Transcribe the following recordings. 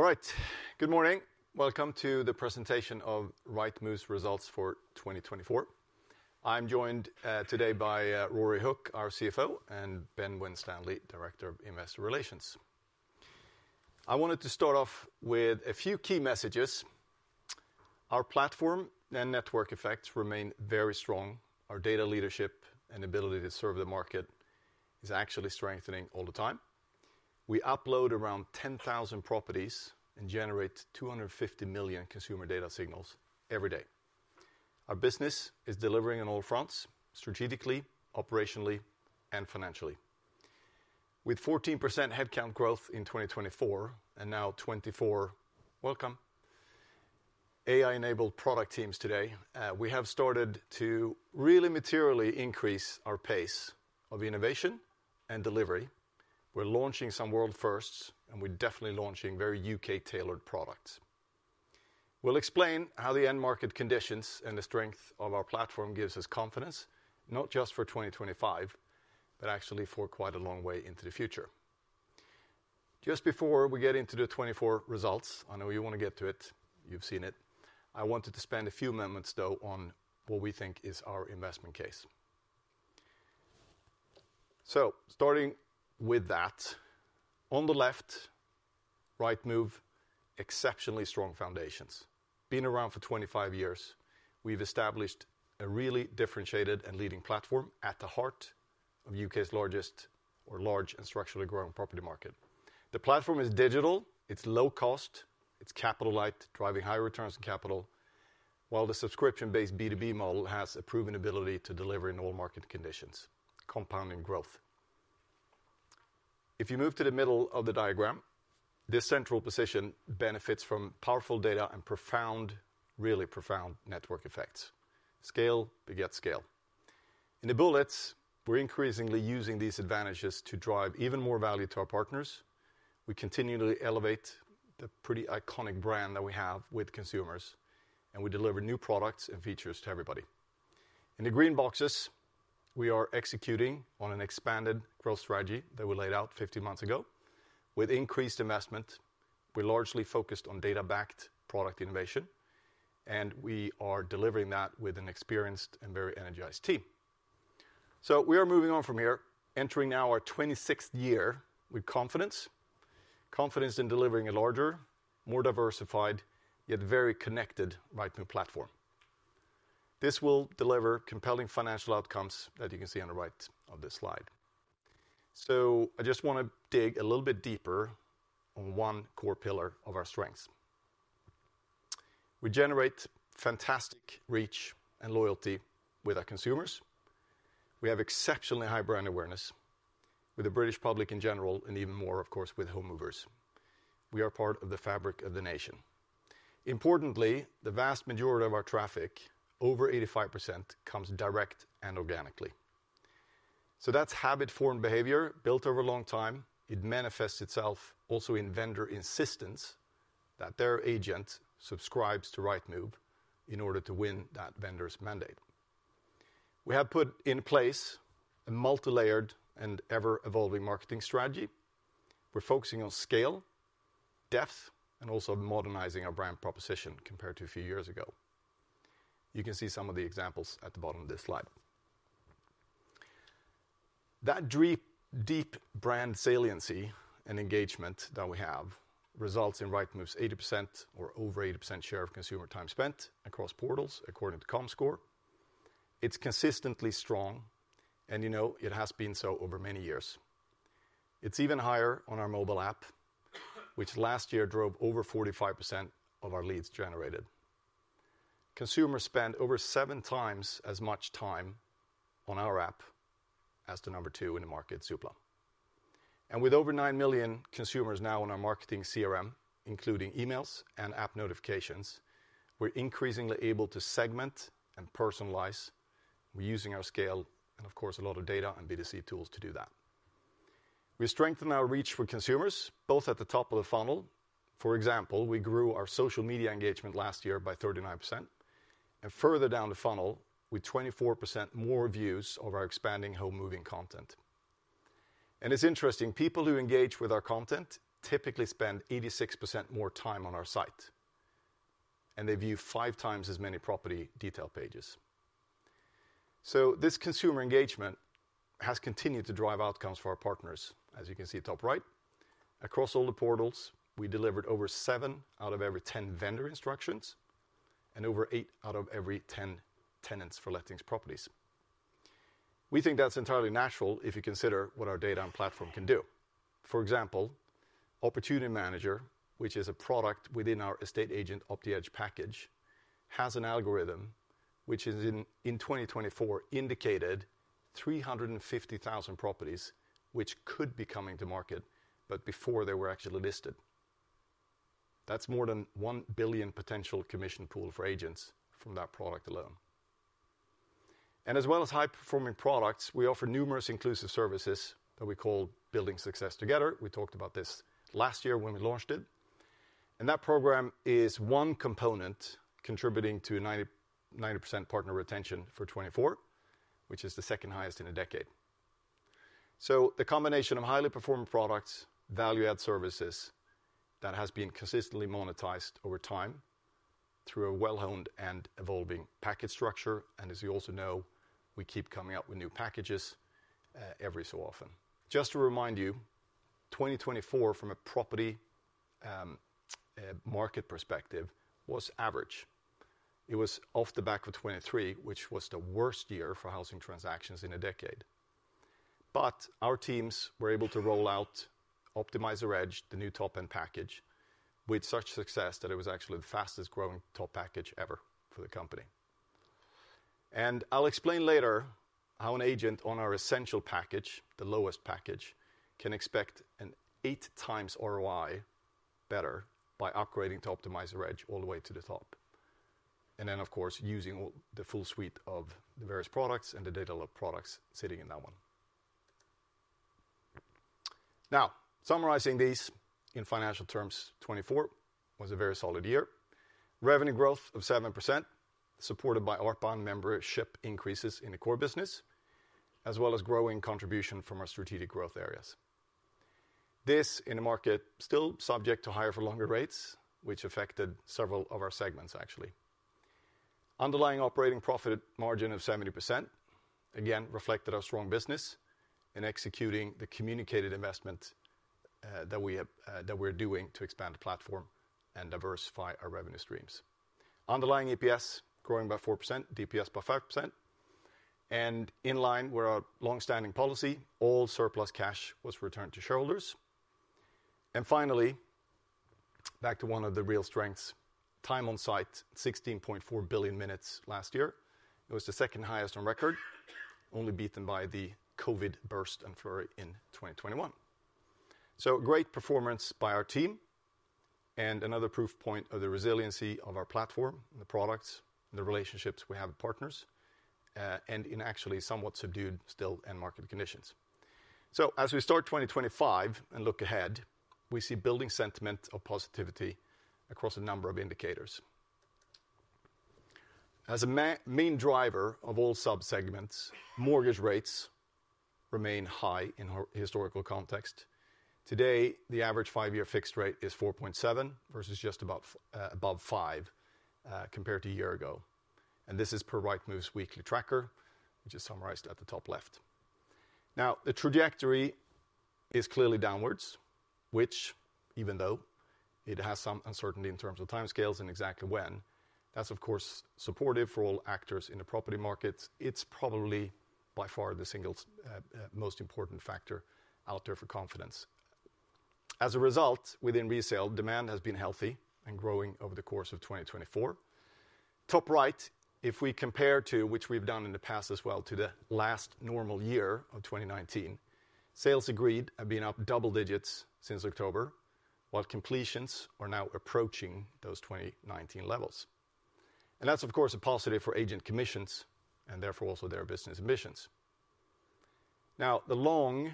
All right, good morning. Welcome to the presentation of Rightmove's results for 2024. I'm joined today by Ruaridh Hook, our CFO, and Ben Winstanley, Director of Investor Relations. I wanted to start off with a few key messages. Our platform and network effects remain very strong. Our data leadership and ability to serve the market is actually strengthening all the time. We upload around 10,000 properties and generate 250 million consumer data signals every day. Our business is delivering on all fronts: strategically, operationally, and financially. With 14% headcount growth in 2024 and now 24%, welcome. AI-enabled product teams today. We have started to really materially increase our pace of innovation and delivery. We're launching some world firsts, and we're definitely launching very U.K.-tailored products. We'll explain how the end market conditions and the strength of our platform gives us confidence, not just for 2025, but actually for quite a long way into the future. Just before we get into the 2024 results, I know you want to get to it. You've seen it. I wanted to spend a few moments, though, on what we think is our investment case, so starting with that, on the left, Rightmove, exceptionally strong foundations. Been around for 25 years. We've established a really differentiated and leading platform at the heart of the U.K.'s largest, or large, and structurally growing property market. The platform is digital. It's low cost. It's capital-light, driving high returns on capital, while the subscription-based B2B model has a proven ability to deliver in all market conditions, compounding growth. If you move to the middle of the diagram, this central position benefits from powerful data and profound, really profound network effects. Scale begets scale. In the bullets, we're increasingly using these advantages to drive even more value to our partners. We continually elevate the pretty iconic brand that we have with consumers, and we deliver new products and features to everybody. In the green boxes, we are executing on an expanded growth strategy that we laid out 15 months ago. With increased investment, we're largely focused on data-backed product innovation, and we are delivering that with an experienced and very energized team. So we are moving on from here, entering now our 26th year with confidence, confidence in delivering a larger, more diversified, yet very connected Rightmove platform. This will deliver compelling financial outcomes that you can see on the right of this slide. So I just want to dig a little bit deeper on one core pillar of our strengths. We generate fantastic reach and loyalty with our consumers. We have exceptionally high brand awareness with the British public in general, and even more, of course, with home movers. We are part of the fabric of the nation. Importantly, the vast majority of our traffic, over 85%, comes direct and organically. So that's habit-formed behavior built over a long time. It manifests itself also in vendor insistence that their agent subscribes to Rightmove in order to win that vendor's mandate. We have put in place a multi-layered and ever-evolving marketing strategy. We're focusing on scale, depth, and also modernizing our brand proposition compared to a few years ago. You can see some of the examples at the bottom of this slide. That deep brand saliency and engagement that we have results in Rightmove's 80% or over 80% share of consumer time spent across portals, according to Comscore. It's consistently strong, and you know it has been so over many years. It's even higher on our mobile app, which last year drove over 45% of our leads generated. Consumers spend over 7x as much time on our app as the number two in the market, Zoopla. And with over nine million consumers now on our marketing CRM, including emails and app notifications, we're increasingly able to segment and personalize using our scale and, of course, a lot of data and B2C tools to do that. We strengthen our reach for consumers, both at the top of the funnel. For example, we grew our social media engagement last year by 39%. And further down the funnel, with 24% more views of our expanding home moving content. And it's interesting. People who engage with our content typically spend 86% more time on our site, and they view 5x as many property detail pages. So this consumer engagement has continued to drive outcomes for our partners, as you can see top right. Across all the portals, we delivered over seven out of every 10 vendor instructions and over eight out of every 10 tenants for lettings properties. We think that's entirely natural if you consider what our data and platform can do. For example, Opportunity Manager, which is a product within our estate agent Opti Edge package, has an algorithm which is, in 2024, indicated 350,000 properties which could be coming to market, but before they were actually listed. That's more than 1 billion potential commission pool for agents from that product alone. And as well as high-performing products, we offer numerous inclusive services that we call Building Success Together. We talked about this last year when we launched it. And that program is one component contributing to 90% partner retention for 2024, which is the second highest in a decade. So the combination of highly performant products, value-add services that has been consistently monetized over time through a well-honed and evolving package structure. And as you also know, we keep coming up with new packages every so often. Just to remind you, 2024, from a property market perspective, was average. It was off the back of 2023, which was the worst year for housing transactions in a decade. But our teams were able to roll out Optimiser Edge, the new top-end package, with such success that it was actually the fastest-growing top package ever for the company. I'll explain later how an agent on our essential package, the lowest package, can expect an 8x ROI better by upgrading to Optimiser Edge all the way to the top. Then, of course, using the full suite of the various products and the data products sitting in that one. Now, summarizing these in financial terms, 2024 was a very solid year. Revenue growth of 7%, supported by ARPA and membership increases in the core business, as well as growing contribution from our strategic growth areas. This in a market still subject to higher-for-longer rates, which affected several of our segments, actually. Underlying operating profit margin of 70%, again, reflected our strong business in executing the communicated investment that we're doing to expand the platform and diversify our revenue streams. Underlying EPS growing by 4%, DPS by 5%. And in line with our long-standing policy. All surplus cash was returned to shareholders. And finally, back to one of the real strengths, time on site, 16.4 billion minutes last year. It was the second highest on record, only beaten by the COVID burst and flurry in 2021. So great performance by our team. And another proof point of the resiliency of our platform, the products, and the relationships we have with partners, and in actually somewhat subdued still end market conditions. So as we start 2025 and look ahead, we see building sentiment of positivity across a number of indicators. As a main driver of all subsegments, mortgage rates remain high in historical context. Today, the average five-year fixed rate is 4.7 versus just about above five compared to a year ago. And this is per Rightmove's weekly tracker, which is summarized at the top left. Now, the trajectory is clearly downwards, which, even though it has some uncertainty in terms of time scales and exactly when, that's, of course, supportive for all actors in the property market. It's probably by far the single most important factor out there for confidence. As a result, within resale, demand has been healthy and growing over the course of 2024. Top right, if we compare to, which we've done in the past as well, to the last normal year of 2019, sales agreed have been up double digits since October, while completions are now approaching those 2019 levels. And that's, of course, a positive for agent commissions and therefore also their business ambitions. Now, the long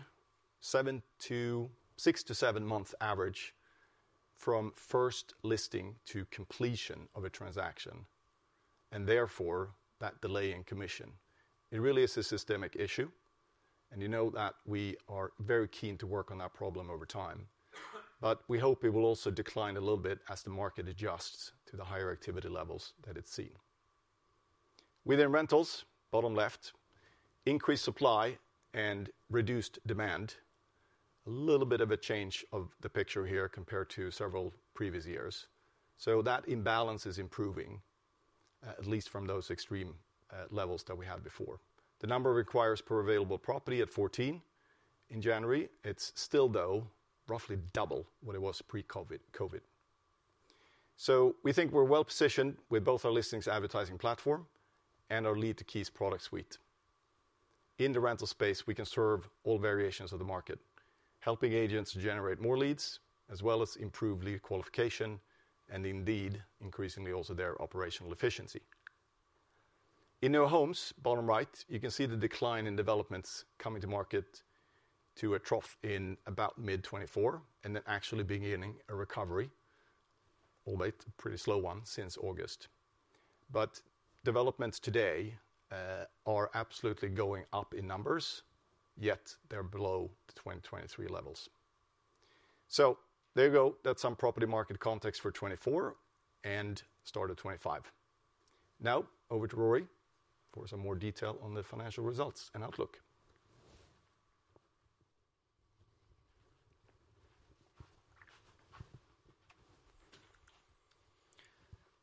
six- to seven-month average from first listing to completion of a transaction, and therefore that delay in commission, it really is a systemic issue. And you know that we are very keen to work on that problem over time. But we hope it will also decline a little bit as the market adjusts to the higher activity levels that it's seen. Within rentals, bottom left, increased supply and reduced demand, a little bit of a change of the picture here compared to several previous years. So that imbalance is improving, at least from those extreme levels that we had before. The number of acquirers per available property at 14 in January. It's still, though, roughly double what it was pre-COVID. So we think we're well positioned with both our listings advertising platform and our Lead-to-Keys product suite. In the rental space, we can serve all variations of the market, helping agents generate more leads, as well as improve lead qualification and indeed, increasingly also their operational efficiency. In new homes, bottom right, you can see the decline in developments coming to market to a trough in about mid-2024 and then actually beginning a recovery, albeit a pretty slow one since August. But developments today are absolutely going up in numbers, yet they're below the 2023 levels. So there you go. That's some property market context for 2024 and start of 2025. Now, over to Ruaridh for some more detail on the financial results and outlook.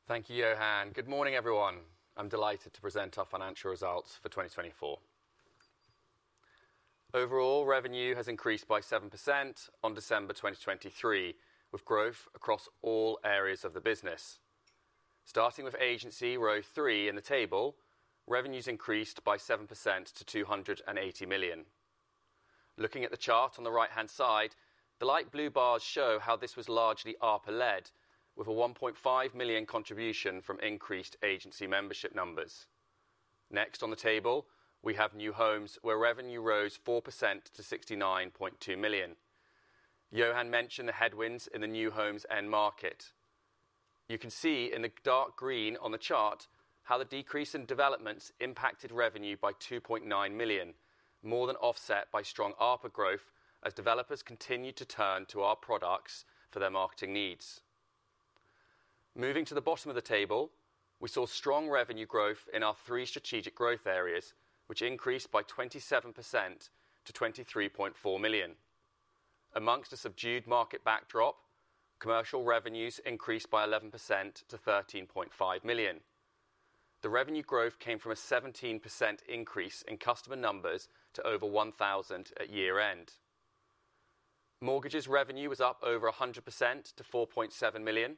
Thank you, Johan. Good morning, everyone. I'm delighted to present our financial results for 2024. Overall, revenue has increased by 7% on December 2023, with growth across all areas of the business. Starting with agency row three in the table, revenues increased by 7% to 280 million. Looking at the chart on the right-hand side, the light blue bars show how this was largely ARPA-led, with a 1.5 million contribution from increased agency membership numbers. Next on the table, we have new homes where revenue rose 4% to 69.2 million. Johan mentioned the headwinds in the new homes end market. You can see in the dark green on the chart how the decrease in developments impacted revenue by 2.9 million, more than offset by strong ARPA growth as developers continued to turn to our products for their marketing needs. Moving to the bottom of the table, we saw strong revenue growth in our three strategic growth areas, which increased by 27% to 23.4 million. Among a subdued market backdrop, commercial revenues increased by 11% to 13.5 million. The revenue growth came from a 17% increase in customer numbers to over 1,000 at year-end. Mortgage revenue was up over 100% to 4.7 million.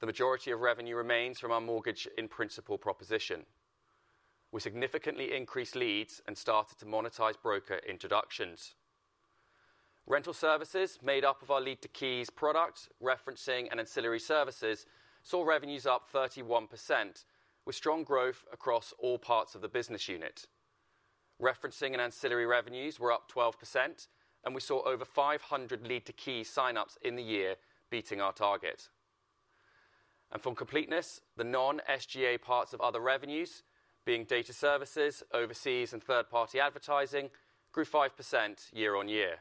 The majority of revenue remains from our mortgage in principle proposition. We significantly increased leads and started to monetize broker introductions. Rental Services, made up of our Lead-to-Keys product, referencing and ancillary services, saw revenues up 31%, with strong growth across all parts of the business unit. Referencing and ancillary revenues were up 12%, and we saw over 500 Lead-to-Keys sign-ups in the year, beating our target, and for completeness, the non-SGA parts of other revenues, being data services, overseas, and third-party advertising, grew 5% year-on-year.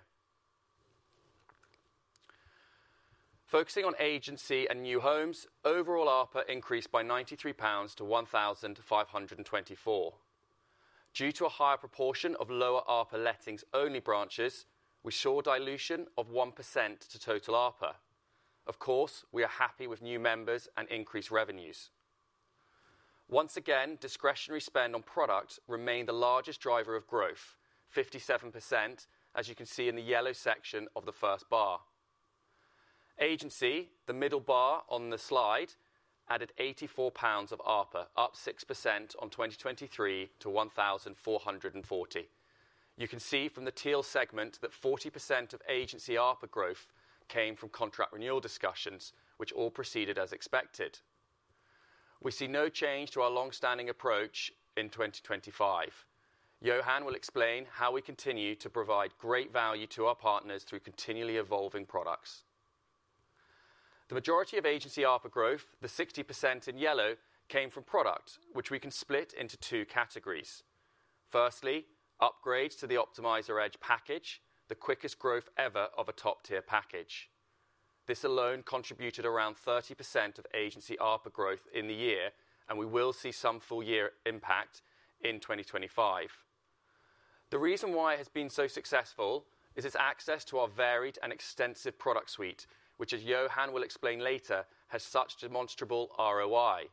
Focusing on agency and new homes, overall ARPA increased by 93 pounds to 1,524. Due to a higher proportion of lower ARPA Lettings-only branches, we saw dilution of 1% to total ARPA. Of course, we are happy with new members and increased revenues. Once again, discretionary spend on product remained the largest driver of growth, 57%, as you can see in the yellow section of the first bar. Agency, the middle bar on the slide, added 84 pounds of ARPA, up 6% on 2023 to 1,440. You can see from the teal segment that 40% of agency ARPA growth came from contract renewal discussions, which all proceeded as expected. We see no change to our long-standing approach in 2025. Johan will explain how we continue to provide great value to our partners through continually evolving products. The majority of agency ARPA growth, the 60% in yellow, came from product, which we can split into two categories. Firstly, upgrades to the Optimiser Edge package, the quickest growth ever of a top-tier package. This alone contributed around 30% of agency ARPA growth in the year, and we will see some full-year impact in 2025. The reason why it has been so successful is its access to our varied and extensive product suite, which, as Johan will explain later, has such demonstrable ROI.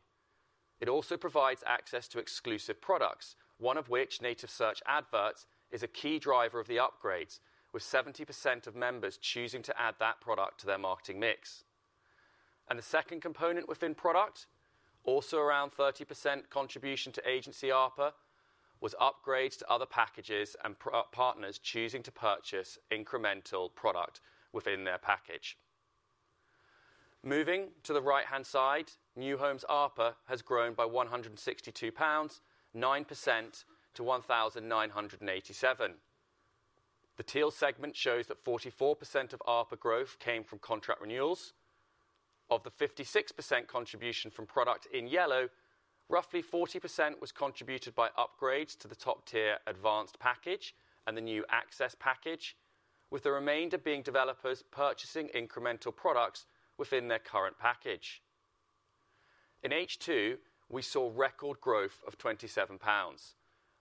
It also provides access to exclusive products, one of which, Native Search Adverts, is a key driver of the upgrades, with 70% of members choosing to add that product to their marketing mix. And the second component within product, also around 30% contribution to agency ARPA, was upgrades to other packages and partners choosing to purchase incremental product within their package. Moving to the right-hand side, new homes ARPA has grown by 162 pounds, 9% to 1,987. The teal segment shows that 44% of ARPA growth came from contract renewals. Of the 56% contribution from product in yellow, roughly 40% was contributed by upgrades to the top-tier Advanced package and the new Access package, with the remainder being developers purchasing incremental products within their current package. In H2, we saw record growth of £27,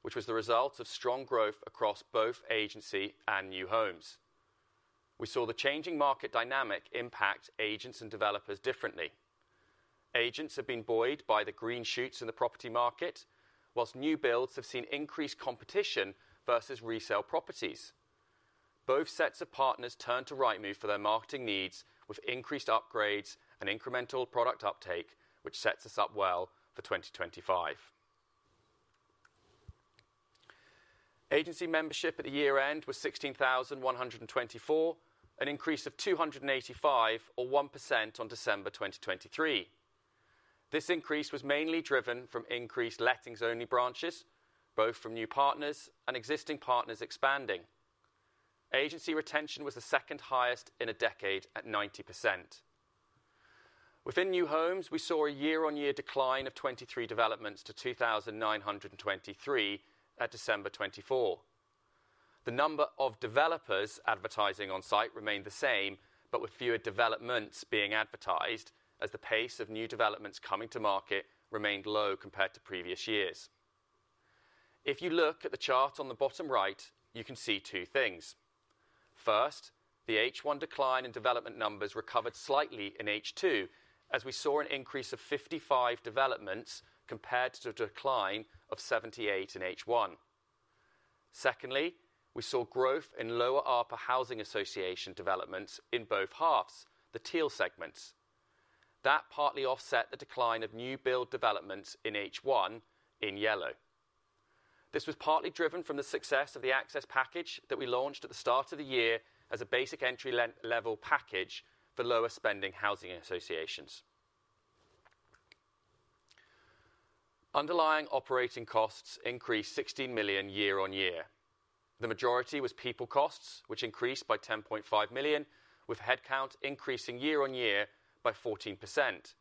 which was the result of strong growth across both agency and new homes. We saw the changing market dynamic impact agents and developers differently. Agents have been buoyed by the green shoots in the property market, whilst new builds have seen increased competition versus resale properties. Both sets of partners turned to Rightmove for their marketing needs, with increased upgrades and incremental product uptake, which sets us up well for 2025. Agency membership at the year-end was 16,124, an increase of 285, or 1% on December 2023. This increase was mainly driven from increased lettings-only branches, both from new partners and existing partners expanding. Agency retention was the second highest in a decade at 90%. Within new homes, we saw a year-on-year decline of 23 developments to 2,923 at December 2024. The number of developers advertising on site remained the same, but with fewer developments being advertised, as the pace of new developments coming to market remained low compared to previous years. If you look at the chart on the bottom right, you can see two things. First, the H1 decline in development numbers recovered slightly in H2, as we saw an increase of 55 developments compared to a decline of 78 in H1. Secondly, we saw growth in lower ARPA housing association developments in both halves, the teal segments. That partly offset the decline of new build developments in H1 in yellow. This was partly driven from the success of the Access package that we launched at the start of the year as a basic entry-level package for lower-spending housing associations. Underlying operating costs increased 16 million year-on-year. The majority was people costs, which increased by 10.5 million, with headcount increasing year-on-year by 14%.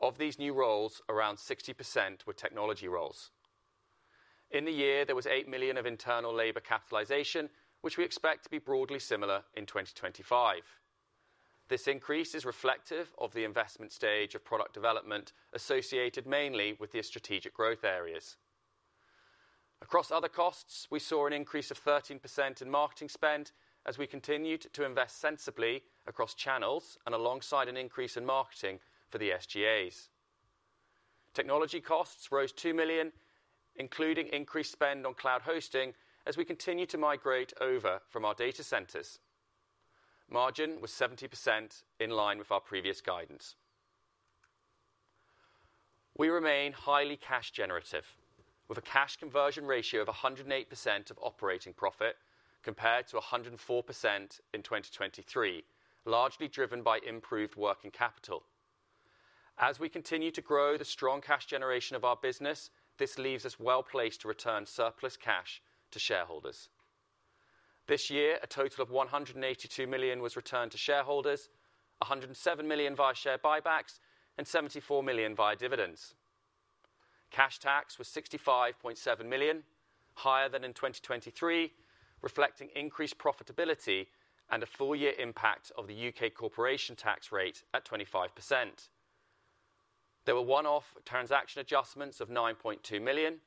Of these new roles, around 60% were technology roles. In the year, there was 8 million of internal labor capitalization, which we expect to be broadly similar in 2025. This increase is reflective of the investment stage of product development associated mainly with the strategic growth areas. Across other costs, we saw an increase of 13% in marketing spend as we continued to invest sensibly across channels and alongside an increase in marketing for the SGAs. Technology costs rose 2 million, including increased spend on cloud hosting as we continue to migrate over from our data centers. Margin was 70%, in line with our previous guidance. We remain highly cash-generative, with a cash conversion ratio of 108% of operating profit compared to 104% in 2023, largely driven by improved working capital. As we continue to grow the strong cash generation of our business, this leaves us well placed to return surplus cash to shareholders. This year, a total of 182 million was returned to shareholders, 107 million via share buybacks, and 74 million via dividends. Cash tax was 65.7 million, higher than in 2023, reflecting increased profitability and a full-year impact of the U.K. corporation tax rate at 25%. There were one-off transaction adjustments of 9.2 million.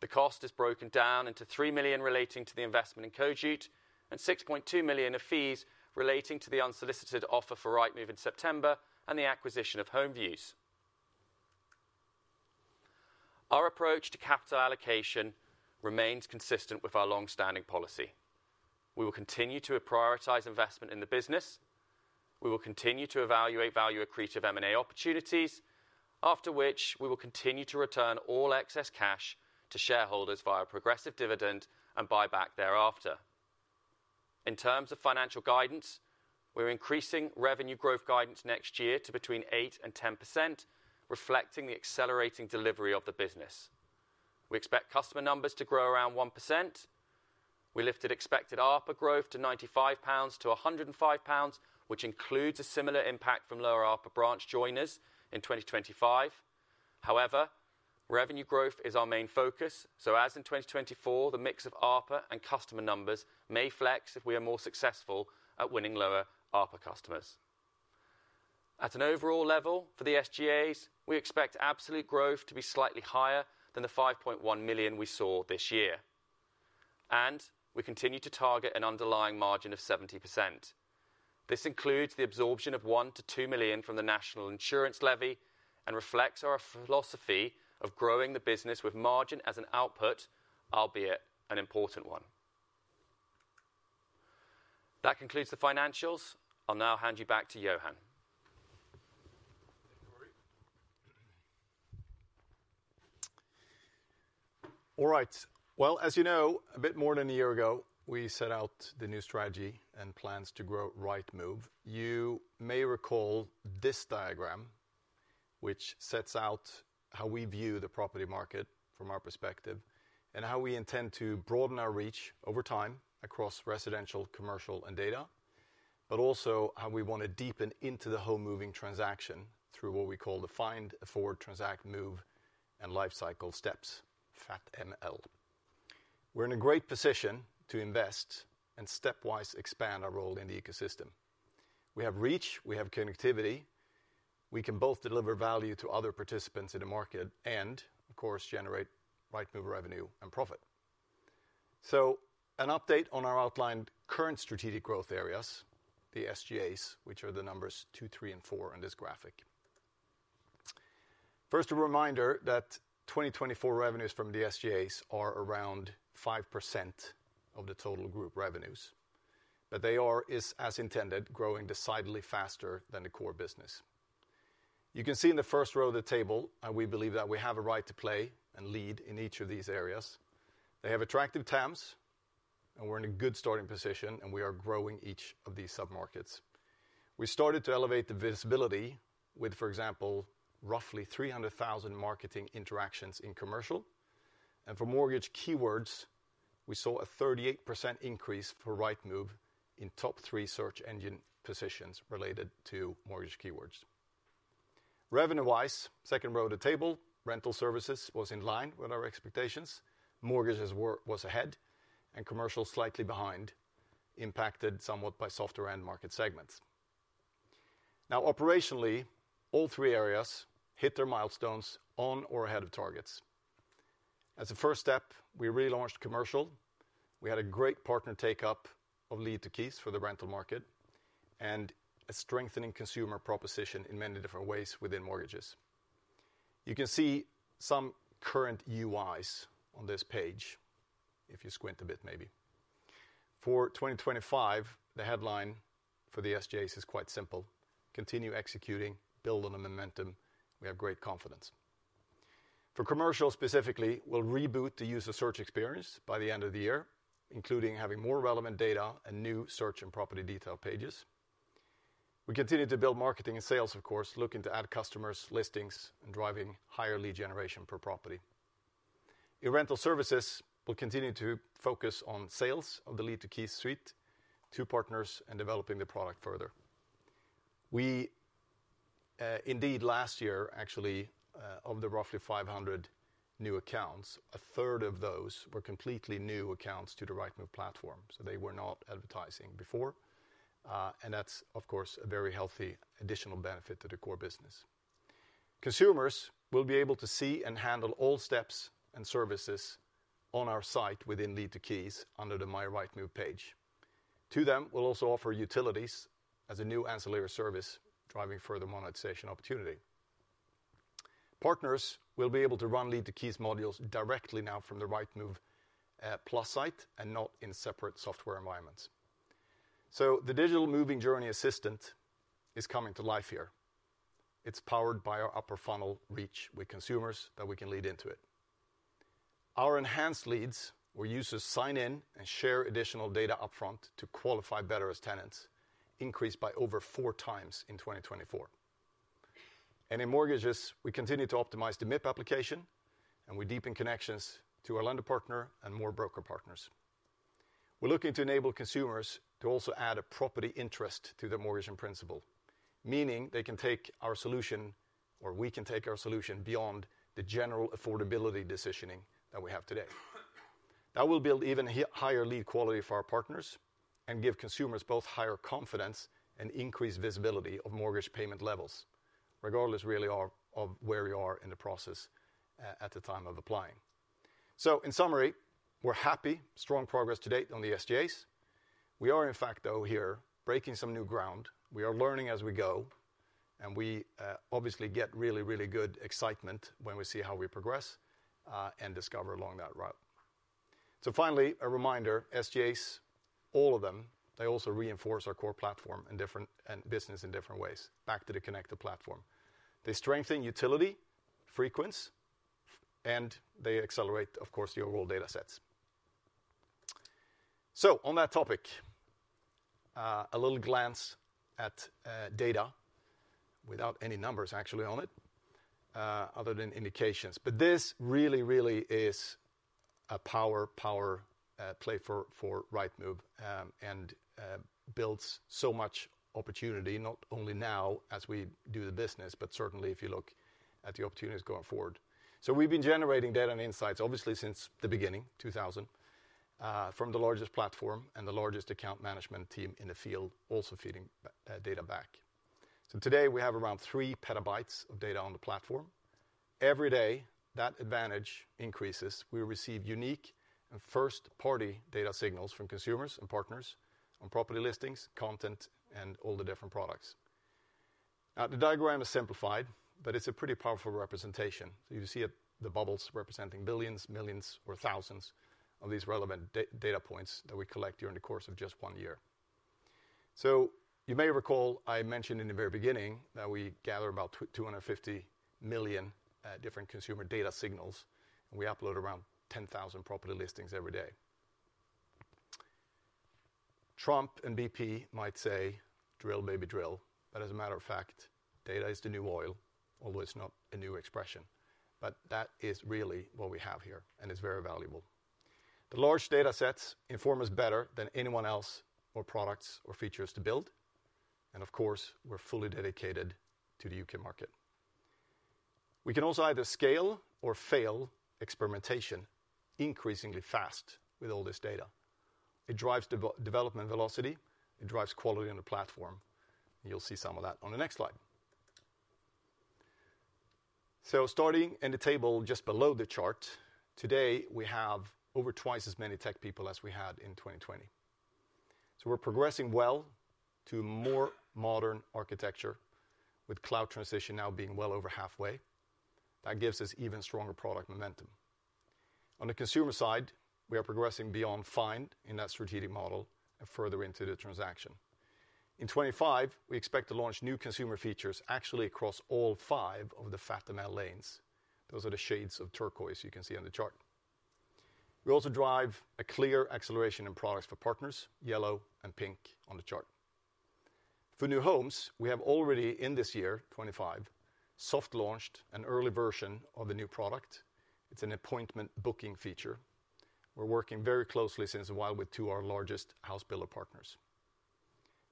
The cost is broken down into 3 million relating to the investment in Coadjute and 6.2 million of fees relating to the unsolicited offer for Rightmove in September and the acquisition of HomeViews. Our approach to capital allocation remains consistent with our long-standing policy. We will continue to prioritize investment in the business. We will continue to evaluate value accretive M&A opportunities, after which we will continue to return all excess cash to shareholders via progressive dividend and buyback thereafter. In terms of financial guidance, we're increasing revenue growth guidance next year to between 8% and 10%, reflecting the accelerating delivery of the business. We expect customer numbers to grow around 1%. We lifted expected ARPA growth to £95-£105, which includes a similar impact from lower ARPA branch joiners in 2025. However, revenue growth is our main focus, so as in 2024, the mix of ARPA and customer numbers may flex if we are more successful at winning lower ARPA customers. At an overall level for the SGAs, we expect absolute growth to be slightly higher than the £5.1 million we saw this year. And we continue to target an underlying margin of 70%. This includes the absorption of £1-£2 million from the national insurance levy and reflects our philosophy of growing the business with margin as an output, albeit an important one. That concludes the financials. I'll now hand you back to Johan. All right. Well, as you know, a bit more than a year ago, we set out the new strategy and plans to grow Rightmove. You may recall this diagram, which sets out how we view the property market from our perspective and how we intend to broaden our reach over time across residential, commercial, and data, but also how we want to deepen into the home moving transaction through what we call the find, afford, transact, move, and lifecycle steps, FATML. We're in a great position to invest and stepwise expand our role in the ecosystem. We have reach, we have connectivity, we can both deliver value to other participants in the market and, of course, generate Rightmove revenue and profit. So an update on our outlined current strategic growth areas, the SGAs, which are the numbers two, three, and four in this graphic. First, a reminder that 2024 revenues from the SGAs are around 5% of the total group revenues, but they are, as intended, growing decidedly faster than the core business. You can see in the first row of the table, we believe that we have a right to play and lead in each of these areas. They have attractive TAMs, and we're in a good starting position, and we are growing each of these sub-markets. We started to elevate the visibility with, for example, roughly 300,000 marketing interactions in commercial. For mortgage keywords, we saw a 38% increase for Rightmove in top three search engine positions related to mortgage keywords. Revenue-wise, second row of the table, Rental Services was in line with our expectations. Mortgages were ahead, and commercial slightly behind, impacted somewhat by software and market segments. Now, operationally, all three areas hit their milestones on or ahead of targets. As a first step, we relaunched commercial. We had a great partner take-up of Lead-to-Keys for the rental market and a strengthening consumer proposition in many different ways within mortgages. You can see some current UIs on this page, if you squint a bit, maybe. For 2025, the headline for the SGAs is quite simple: Continue executing, build on the momentum. We have great confidence. For commercial specifically, we'll reboot the user search experience by the end of the year, including having more relevant data and new search and property detail pages. We continue to build marketing and sales, of course, looking to add customers, listings, and driving higher lead generation per property. In Rental Services, we'll continue to focus on sales of the Lead-to-Keys suite to partners and developing the product further. We indeed, last year, actually, of the roughly 500 new accounts, a third of those were completely new accounts to the Rightmove platform, so they were not advertising before. That's, of course, a very healthy additional benefit to the core business. Consumers will be able to see and handle all steps and services on our site within Lead-to-Keys under the My Rightmove page. To them, we'll also offer utilities as a new ancillary service, driving further monetization opportunity. Partners will be able to run Lead-to-Keys modules directly now from the Rightmove Plus site and not in separate software environments. The digital moving journey assistant is coming to life here. It's powered by our upper funnel reach with consumers that we can lead into it. Our enhanced leads, where users sign in and share additional data upfront to qualify better as tenants, increased by over 4x in 2024, and in mortgages, we continue to optimize the MIP application, and we deepen connections to our lender partner and more broker partners. We're looking to enable consumers to also add a property interest to their mortgage in principle, meaning they can take our solution, or we can take our solution beyond the general affordability decisioning that we have today. That will build even higher lead quality for our partners and give consumers both higher confidence and increased visibility of mortgage payment levels, regardless really of where you are in the process at the time of applying, so in summary, we're happy, strong progress to date on the SGAs. We are, in fact, though, here breaking some new ground. We are learning as we go, and we obviously get really, really good excitement when we see how we progress and discover along that route. So finally, a reminder, SGAs, all of them, they also reinforce our core platform and business in different ways. Back to the connected platform. They strengthen utility, frequency, and they accelerate, of course, the overall data sets. So on that topic, a little glance at data without any numbers actually on it, other than indications. But this really, really is a power, power play for Rightmove and builds so much opportunity, not only now as we do the business, but certainly if you look at the opportunities going forward. So we've been generating data and insights, obviously, since the beginning, 2000, from the largest platform and the largest account management team in the field, also feeding data back. So today, we have around three petabytes of data on the platform. Every day that advantage increases. We receive unique and first-party data signals from consumers and partners on property listings, content, and all the different products. Now, the diagram is simplified, but it's a pretty powerful representation. So you see the bubbles representing billions, millions, or thousands of these relevant data points that we collect during the course of just one year. So you may recall I mentioned in the very beginning that we gather about 250 million different consumer data signals, and we upload around 10,000 property listings every day. Trump and BP might say, "Drill, baby, drill," but as a matter of fact, data is the new oil, although it's not a new expression. But that is really what we have here, and it's very valuable. The large data sets inform us better than anyone else on products or features to build, and of course, we're fully dedicated to the UK market. We can also either scale or fail experimentation increasingly fast with all this data. It drives development velocity. It drives quality on the platform. You'll see some of that on the next slide, so starting in the table just below the chart, today we have over twice as many tech people as we had in 2020, so we're progressing well to more modern architecture, with cloud transition now being well over halfway. That gives us even stronger product momentum. On the consumer side, we are progressing beyond Find in that strategic model and further into the transaction. In 2025, we expect to launch new consumer features actually across all five of the FATML lanes. Those are the shades of turquoise you can see on the chart. We also drive a clear acceleration in products for partners, yellow and pink on the chart. For new homes, we have already in this year, 2025, soft-launched an early version of the new product. It's an appointment booking feature. We're working very closely for a while with two of our largest house builder partners.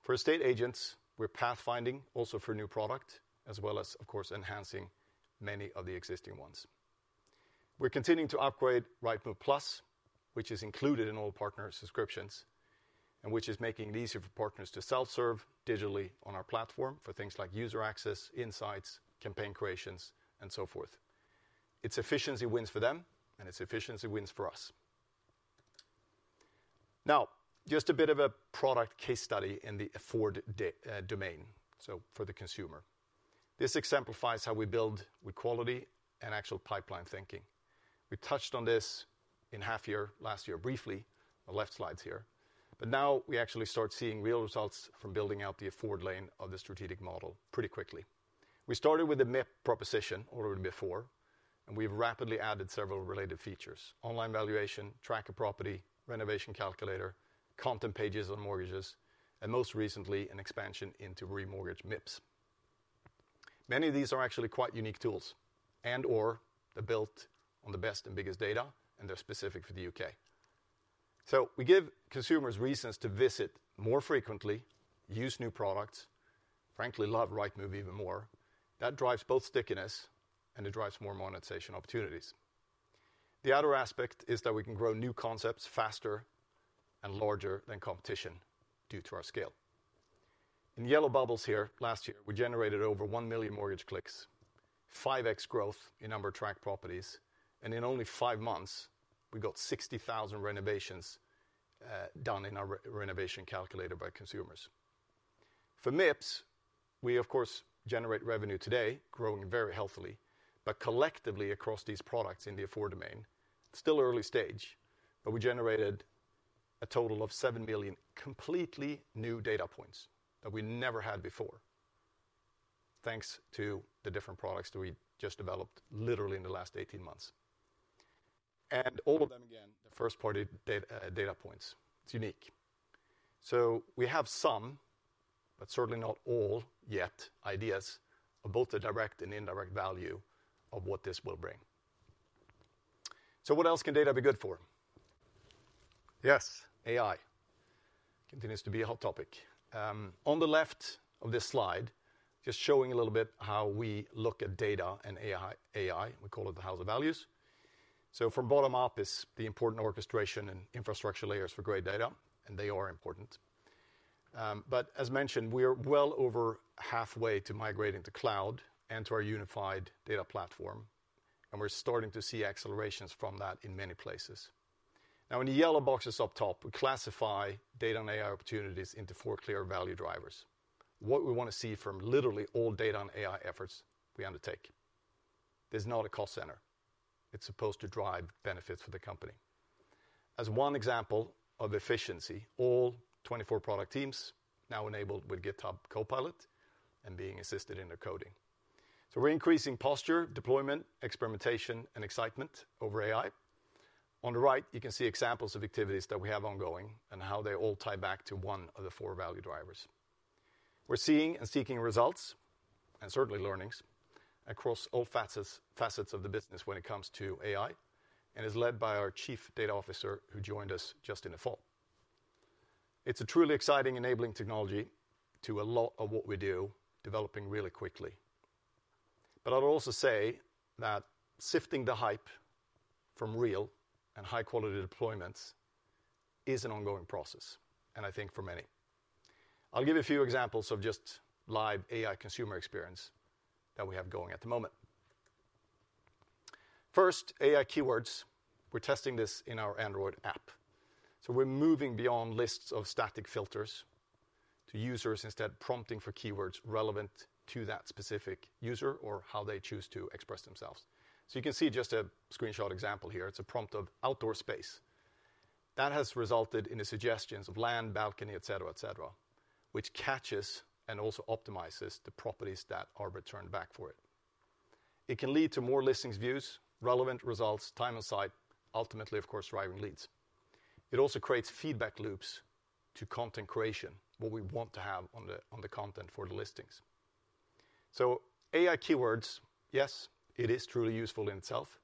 For estate agents, we're pathfinding also for new product, as well as, of course, enhancing many of the existing ones. We're continuing to upgrade Rightmove Plus, which is included in all partner subscriptions and which is making it easier for partners to self-serve digitally on our platform for things like user access, insights, campaign creations, and so forth. It's efficiency wins for them, and it's efficiency wins for us. Now, just a bit of a product case study in the afford domain, so for the consumer. This exemplifies how we build with quality and actual pipeline thinking. We touched on this in half year last year briefly, the last slides here. But now we actually start seeing real results from building out the afford lane of the strategic model pretty quickly. We started with the MIP proposition, or MIP4, and we've rapidly added several related features: online valuation, tracker property, renovation calculator, content pages on mortgages, and most recently, an expansion into remortgage MIPs. Many of these are actually quite unique tools and/or they're built on the best and biggest data, and they're specific for the UK. So we give consumers reasons to visit more frequently, use new products, frankly, love Rightmove even more. That drives both stickiness, and it drives more monetization opportunities. The other aspect is that we can grow new concepts faster and larger than competition due to our scale. In yellow bubbles here, last year, we generated over 1 million mortgage clicks, 5x growth in number tracked properties, and in only five months, we got 60,000 renovations done in our renovation calculator by consumers. For MIPS, we, of course, generate revenue today, growing very healthily, but collectively across these products in the afford domain, still early stage, but we generated a total of 7 million completely new data points that we never had before, thanks to the different products that we just developed literally in the last 18 months. And all of them again, the first-party data points, it's unique. So we have some, but certainly not all yet ideas of both the direct and indirect value of what this will bring. So what else can data be good for? Yes, AI continues to be a hot topic. On the left of this slide, just showing a little bit how we look at data and AI, we call it the house of values. So from bottom up, it's the important orchestration and infrastructure layers for great data, and they are important. But as mentioned, we are well over halfway to migrating to cloud and to our unified data platform, and we're starting to see accelerations from that in many places. Now, in the yellow boxes up top, we classify data and AI opportunities into four clear value drivers. What we want to see from literally all data and AI efforts we undertake. There's not a cost center. It's supposed to drive benefits for the company. As one example of efficiency, all 24 product teams now enabled with GitHub Copilot and being assisted in their coding. We're increasing posture, deployment, experimentation, and excitement over AI. On the right, you can see examples of activities that we have ongoing and how they all tie back to one of the four value drivers. We're seeing and seeking results, and certainly learnings, across all facets of the business when it comes to AI, and it's led by our Chief Data Officer who joined us just in the fall. It's a truly exciting enabling technology to a lot of what we do, developing really quickly. But I'll also say that sifting the hype from real and high-quality deployments is an ongoing process, and I think for many. I'll give you a few examples of just live AI consumer experience that we have going at the moment. First, AI keywords. We're testing this in our Android app. We're moving beyond lists of static filters to users instead prompting for keywords relevant to that specific user or how they choose to express themselves. You can see just a screenshot example here. It's a prompt of outdoor space. That has resulted in the suggestions of land, balcony, et cetera, et cetera, which catches and also optimizes the properties that are returned back for it. It can lead to more listings views, relevant results, time on site, ultimately, of course, driving leads. It also creates feedback loops to content creation, what we want to have on the content for the listings. AI keywords, yes, it is truly useful in itself,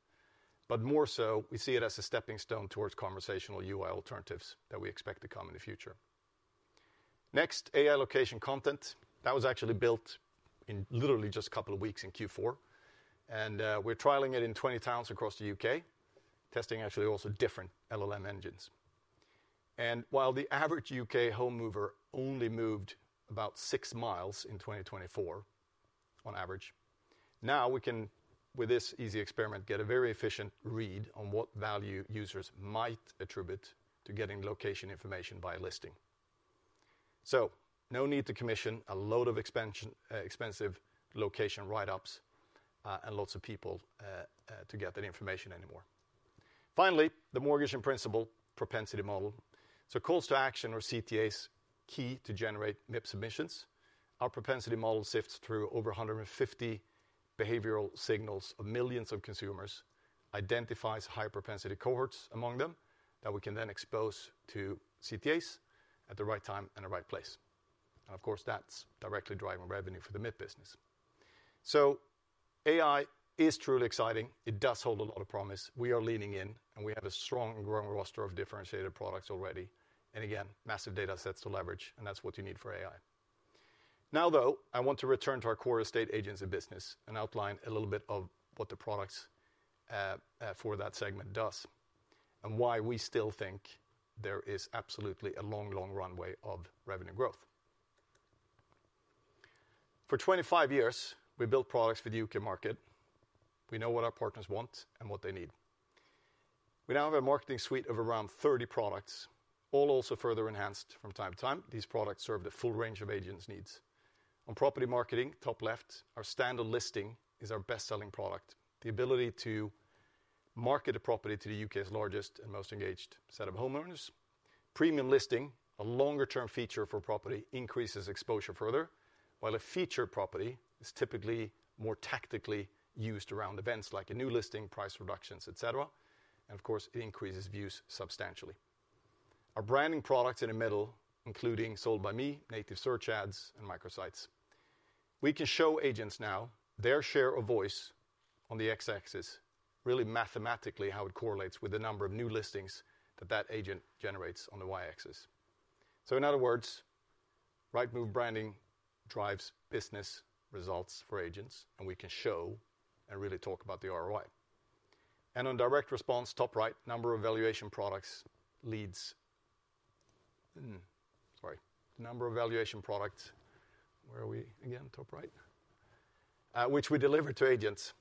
but more so, we see it as a stepping stone towards conversational UI alternatives that we expect to come in the future. Next, AI location content. That was actually built in literally just a couple of weeks in Q4, and we're trialing it in 20 towns across the U.K., testing actually also different LLM engines. And while the average U.K. home mover only moved about six miles in 2024 on average, now we can, with this easy experiment, get a very efficient read on what value users might attribute to getting location information by a listing. So no need to commission a load of expensive location write-ups and lots of people to get that information anymore. Finally, the Mortgage in Principle propensity model. So calls to action or CTAs key to generate MIP submissions. Our propensity model sifts through over 150 behavioral signals of millions of consumers, identifies high propensity cohorts among them that we can then expose to CTAs at the right time and the right place. And of course, that's directly driving revenue for the MIP business. So AI is truly exciting. It does hold a lot of promise. We are leaning in, and we have a strong and growing roster of differentiated products already. And again, massive data sets to leverage, and that's what you need for AI. Now though, I want to return to our core estate agency business and outline a little bit of what the products for that segment does and why we still think there is absolutely a long, long runway of revenue growth. For 25 years, we built products for the U.K. market. We know what our partners want and what they need. We now have a marketing suite of around 30 products, all also further enhanced from time to time. These products serve the full range of agents' needs. On property marketing, top left, our standard listing is our best-selling product. The ability to market a property to the UK's largest and most engaged set of homeowners. Premium Listing, a longer-term Feature Property, increases exposure further, while a Feature Property is typically more tactically used around events like a new listing, price reductions, et cetera. And of course, it increases views substantially. Our branding products in the middle, including Sold By Me, Native Search Ads, and Microsites. We can show agents now their share of voice on the X-axis, really mathematically how it correlates with the number of new listings that that agent generates on the Y-axis. So in other words, Rightmove branding drives business results for agents, and we can show and really talk about the ROI. On direct response, top right, number of valuation products leads, sorry, the number of valuation products, where are we again, top right, which we deliver to agents.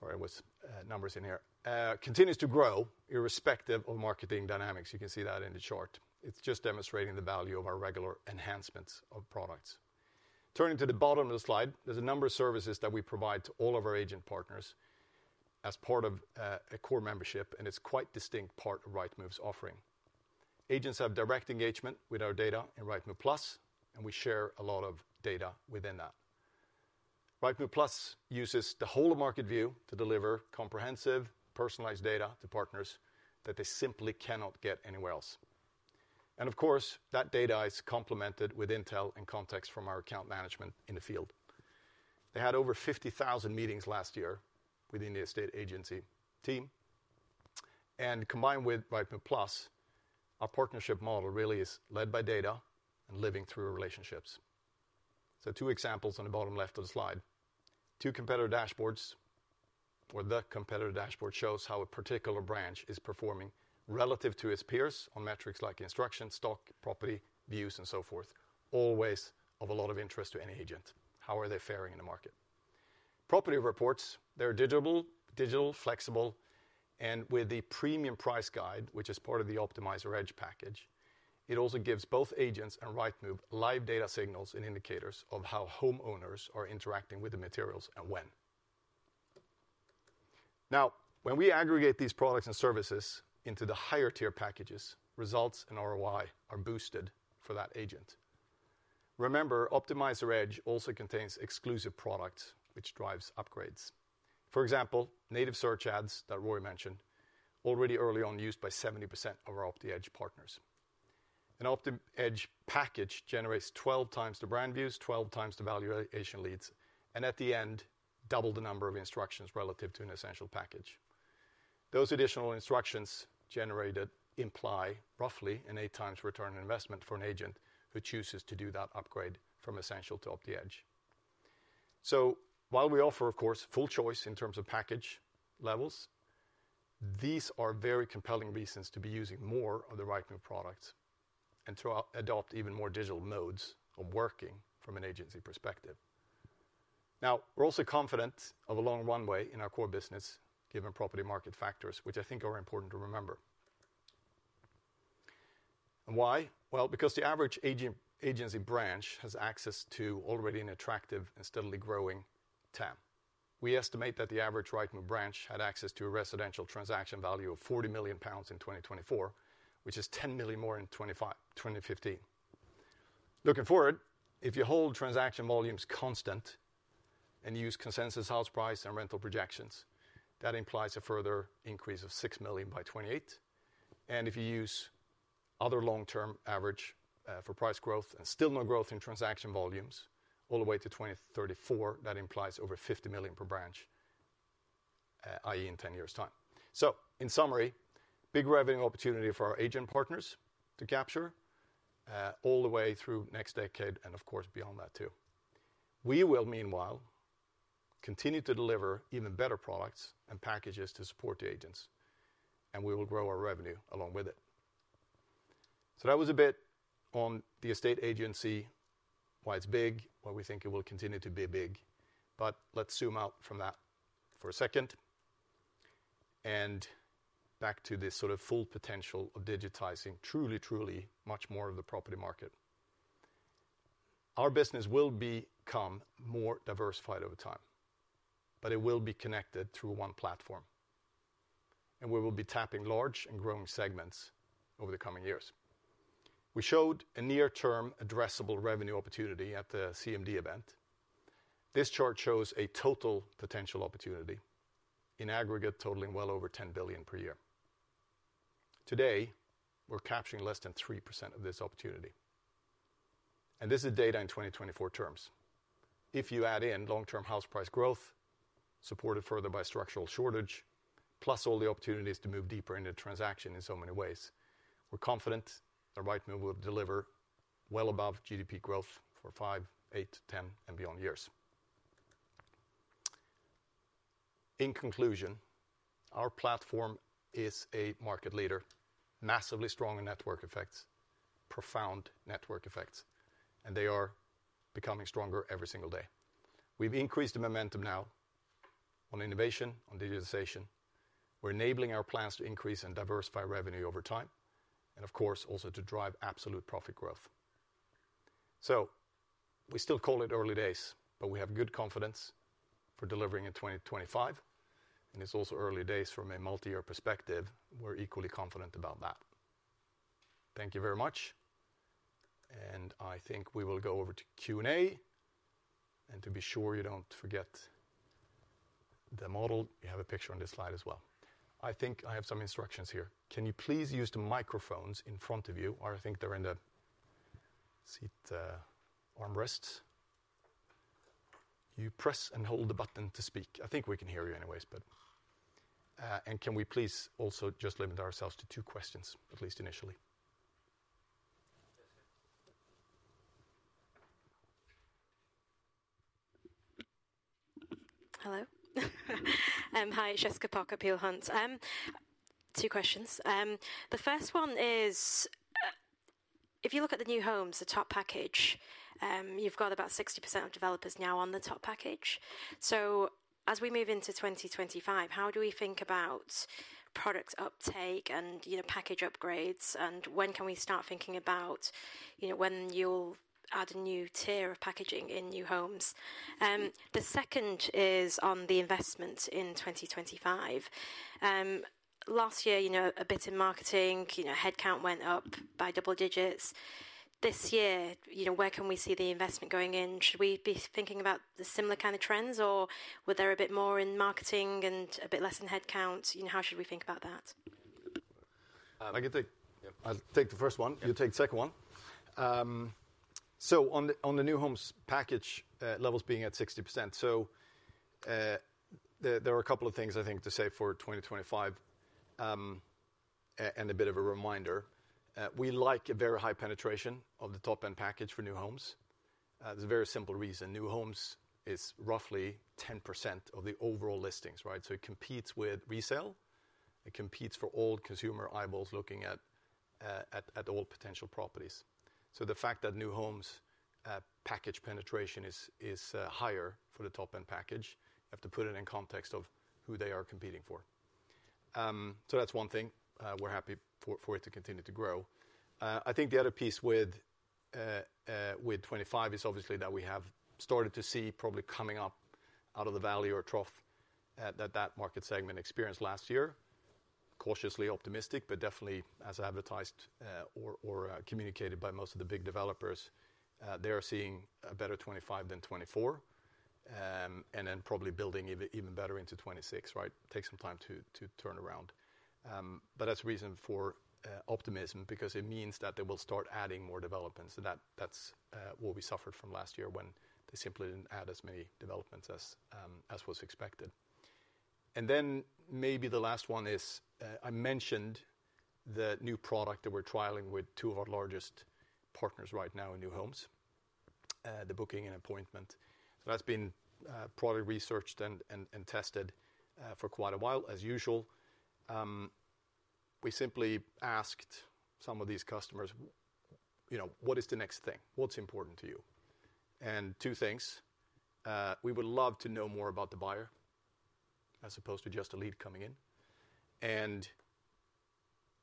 Sorry, I was numbers in here, continues to grow irrespective of marketing dynamics. You can see that in the chart. It's just demonstrating the value of our regular enhancements of products. Turning to the bottom of the slide, there's a number of services that we provide to all of our agent partners as part of a core membership, and it's quite distinct part of Rightmove's offering. Agents have direct engagement with our data in Rightmove Plus, and we share a lot of data within that. Rightmove Plus uses the whole of market view to deliver comprehensive, personalized data to partners that they simply cannot get anywhere else. Of course, that data is complemented with intel and context from our account management in the field. They had over 50,000 meetings last year within the estate agency team. Combined with Rightmove Plus, our partnership model really is led by data and living through relationships. Two examples on the bottom left of the slide. The competitor dashboard shows how a particular branch is performing relative to its peers on metrics like instruction, stock, property, views, and so forth, always of a lot of interest to any agent. How are they faring in the market? Property reports, they're digital, flexible, and with the premium price guide, which is part of the Optimiser Edge package, it also gives both agents and Rightmove live data signals and indicators of how homeowners are interacting with the materials and when. Now, when we aggregate these products and services into the higher tier packages, results and ROI are boosted for that agent. Remember, Optimiser Edge also contains exclusive products, which drives upgrades. For example, Native Search Ads that Ruaridh mentioned, already early on used by 70% of our OptiEdge partners. An OptiEdge package generates 12x the brand views, 12x the valuation leads, and at the end, double the number of instructions relative to an essential package. Those additional instructions generated imply roughly an 8x return on investment for an agent who chooses to do that upgrade from essential to OptiEdge. So while we offer, of course, full choice in terms of package levels, these are very compelling reasons to be using more of the Rightmove products and to adopt even more digital modes of working from an agency perspective. Now, we're also confident of a long runway in our core business, given property market factors, which I think are important to remember, and why? Well, because the average agency branch has access to already an attractive and steadily growing TAM. We estimate that the average Rightmove branch had access to a residential transaction value of 40 million pounds in 2024, which is 10 million more in 2015. Looking forward, if you hold transaction volumes constant and use consensus house price and rental projections, that implies a further increase of 6 million by 2028, and if you use other long-term average for price growth and still no growth in transaction volumes all the way to 2034, that implies over 50 million per branch, i.e., in 10 years' time. So in summary, big revenue opportunity for our agent partners to capture all the way through next decade and, of course, beyond that too. We will, meanwhile, continue to deliver even better products and packages to support the agents, and we will grow our revenue along with it. So that was a bit on the estate agency, why it's big, why we think it will continue to be big. But let's zoom out from that for a second and back to this sort of full potential of digitizing truly, truly much more of the property market. Our business will become more diversified over time, but it will be connected through one platform, and we will be tapping large and growing segments over the coming years. We showed a near-term addressable revenue opportunity at the CMD event. This chart shows a total potential opportunity in aggregate totaling well over £10 billion per year. Today, we're capturing less than 3% of this opportunity. This is data in 2024 terms. If you add in long-term house price growth, supported further by structural shortage, plus all the opportunities to move deeper into transaction in so many ways, we're confident that Rightmove will deliver well above GDP growth for five, eight, ten, and beyond years. In conclusion, our platform is a market leader, massively strong in network effects, profound network effects, and they are becoming stronger every single day. We've increased the momentum now on innovation, on digitization. We're enabling our plans to increase and diversify revenue over time and, of course, also to drive absolute profit growth. So we still call it early days, but we have good confidence for delivering in 2025, and it's also early days from a multi-year perspective. We're equally confident about that. Thank you very much. And I think we will go over to Q&A. And to be sure you don't forget the model, you have a picture on this slide as well. I think I have some instructions here. Can you please use the microphones in front of you? I think they're in the seat armrests. You press and hold the button to speak. I think we can hear you anyways, but can we please also just limit ourselves to two questions, at least initially? Hello? Hi, Jessica Pok, Peel Hunt, two questions. The first one is, if you look at the new homes, the top package, you've got about 60% of developers now on the top package. So as we move into 2025, how do we think about product uptake and package upgrades, and when can we start thinking about when you'll add a new tier of packaging in new homes? The second is on the investment in 2025. Last year, a bit in marketing, headcount went up by double digits. This year, where can we see the investment going in? Should we be thinking about the similar kind of trends, or were there a bit more in marketing and a bit less in headcount? How should we think about that? I'll take the first one. You take the second one. So on the new homes package levels being at 60%, so there are a couple of things I think to say for 2025 and a bit of a reminder. We like a very high penetration of the top-end package for new homes. There's a very simple reason. New Homes is roughly 10% of the overall listings, right? So it competes with resale. It competes for all consumer eyeballs looking at all potential properties. So the fact that New Homes package penetration is higher for the top-end package, you have to put it in context of who they are competing for. So that's one thing. We're happy for it to continue to grow. I think the other piece with 2025 is obviously that we have started to see probably coming up out of the valley or trough that that market segment experienced last year. Cautiously optimistic, but definitely as advertised or communicated by most of the big developers, they are seeing a better 2025 than 2024 and then probably building even better into 2026, right? It takes some time to turn around. But that's reason for optimism because it means that they will start adding more developments. And that's what we suffered from last year when they simply didn't add as many developments as was expected. And then maybe the last one is, I mentioned the new product that we're trialing with two of our largest partners right now in new homes, the booking and appointment. So that's been probably researched and tested for quite a while, as usual. We simply asked some of these customers, what is the next thing? What's important to you? And two things. We would love to know more about the buyer as opposed to just a lead coming in. And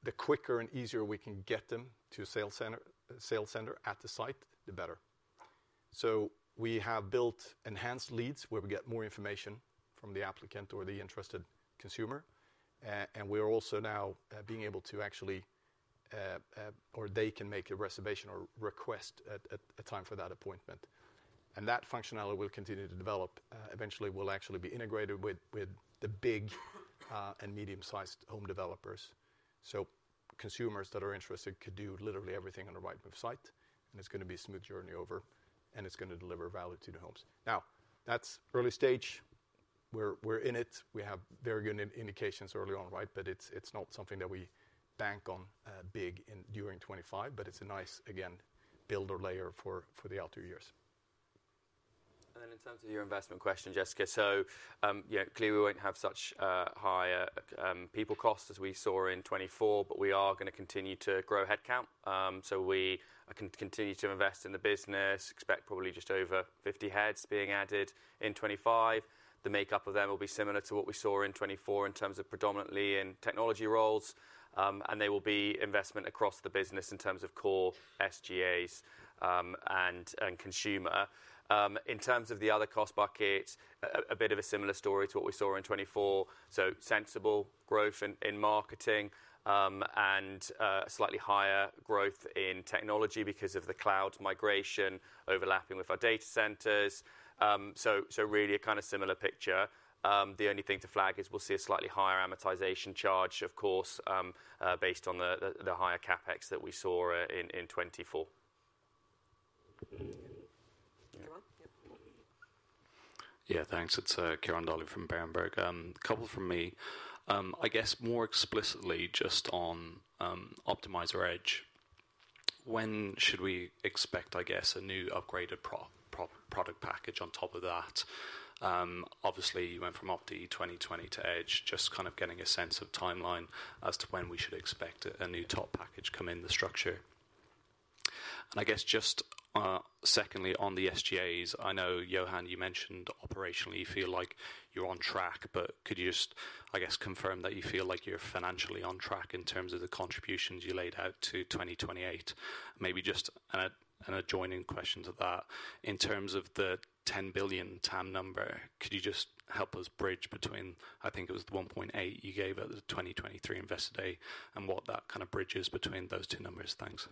the quicker and easier we can get them to a sales center at the site, the better. So we have built enhanced leads where we get more information from the applicant or the interested consumer. We are also now being able to actually, or they can make a reservation or request a time for that appointment. That functionality will continue to develop. Eventually, it will actually be integrated with the big and medium-sized home developers. Consumers that are interested could do literally everything on a Rightmove site, and it's going to be a smooth journey over, and it's going to deliver value to the homes. Now, that's early stage. We're in it. We have very good indications early on, right? But it's not something that we bank on big during 2025, but it's a nice, again, builder layer for the outer years. Then in terms of your investment question, Jessica, clearly we won't have such high people costs as we saw in 2024, but we are going to continue to grow headcount. So we continue to invest in the business. We expect probably just over 50 heads being added in 2025. The makeup of them will be similar to what we saw in 2024 in terms of predominantly in technology roles, and they will be investment across the business in terms of core SGAs and consumer. In terms of the other cost buckets, a bit of a similar story to what we saw in 2024. So sensible growth in marketing and slightly higher growth in technology because of the cloud migration overlapping with our data centers. So really a kind of similar picture. The only thing to flag is we'll see a slightly higher amortization charge, of course, based on the higher CapEx that we saw in 2024. Yeah, thanks. It's Ciaran Donnelly from Berenberg. A couple from me. I guess more explicitly, just on Optimiser Edge, when should we expect, I guess, a new upgraded product package on top of that? Obviously, you went from Opti2020 to Edge. Just kind of getting a sense of timeline as to when we should expect a new top package come in the structure. And I guess just secondly on the SGAs, I know, Johan, you mentioned operationally you feel like you're on track, but could you just, I guess, confirm that you feel like you're financially on track in terms of the contributions you laid out to 2028? Maybe just an adjoining question to that. In terms of the 10 billion TAM number, could you just help us bridge between, I think it was the 1.8 you gave at the 2023 Investor Day and what that kind of bridges between those two numbers? Thanks.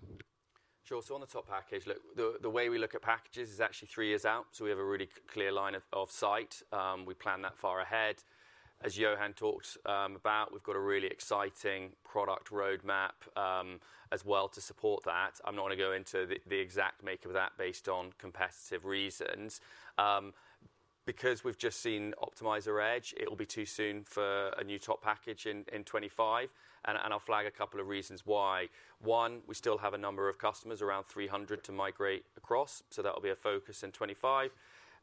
Sure. So on the top package, look, the way we look at packages is actually three years out. So we have a really clear line of sight. We plan that far ahead. As Johan talked about, we've got a really exciting product roadmap as well to support that. I'm not going to go into the exact makeup of that based on competitive reasons. Because we've just seen Optimiser Edge, it will be too soon for a new top package in 2025. And I'll flag a couple of reasons why. One, we still have a number of customers, around 300, to migrate across. So that will be a focus in 2025.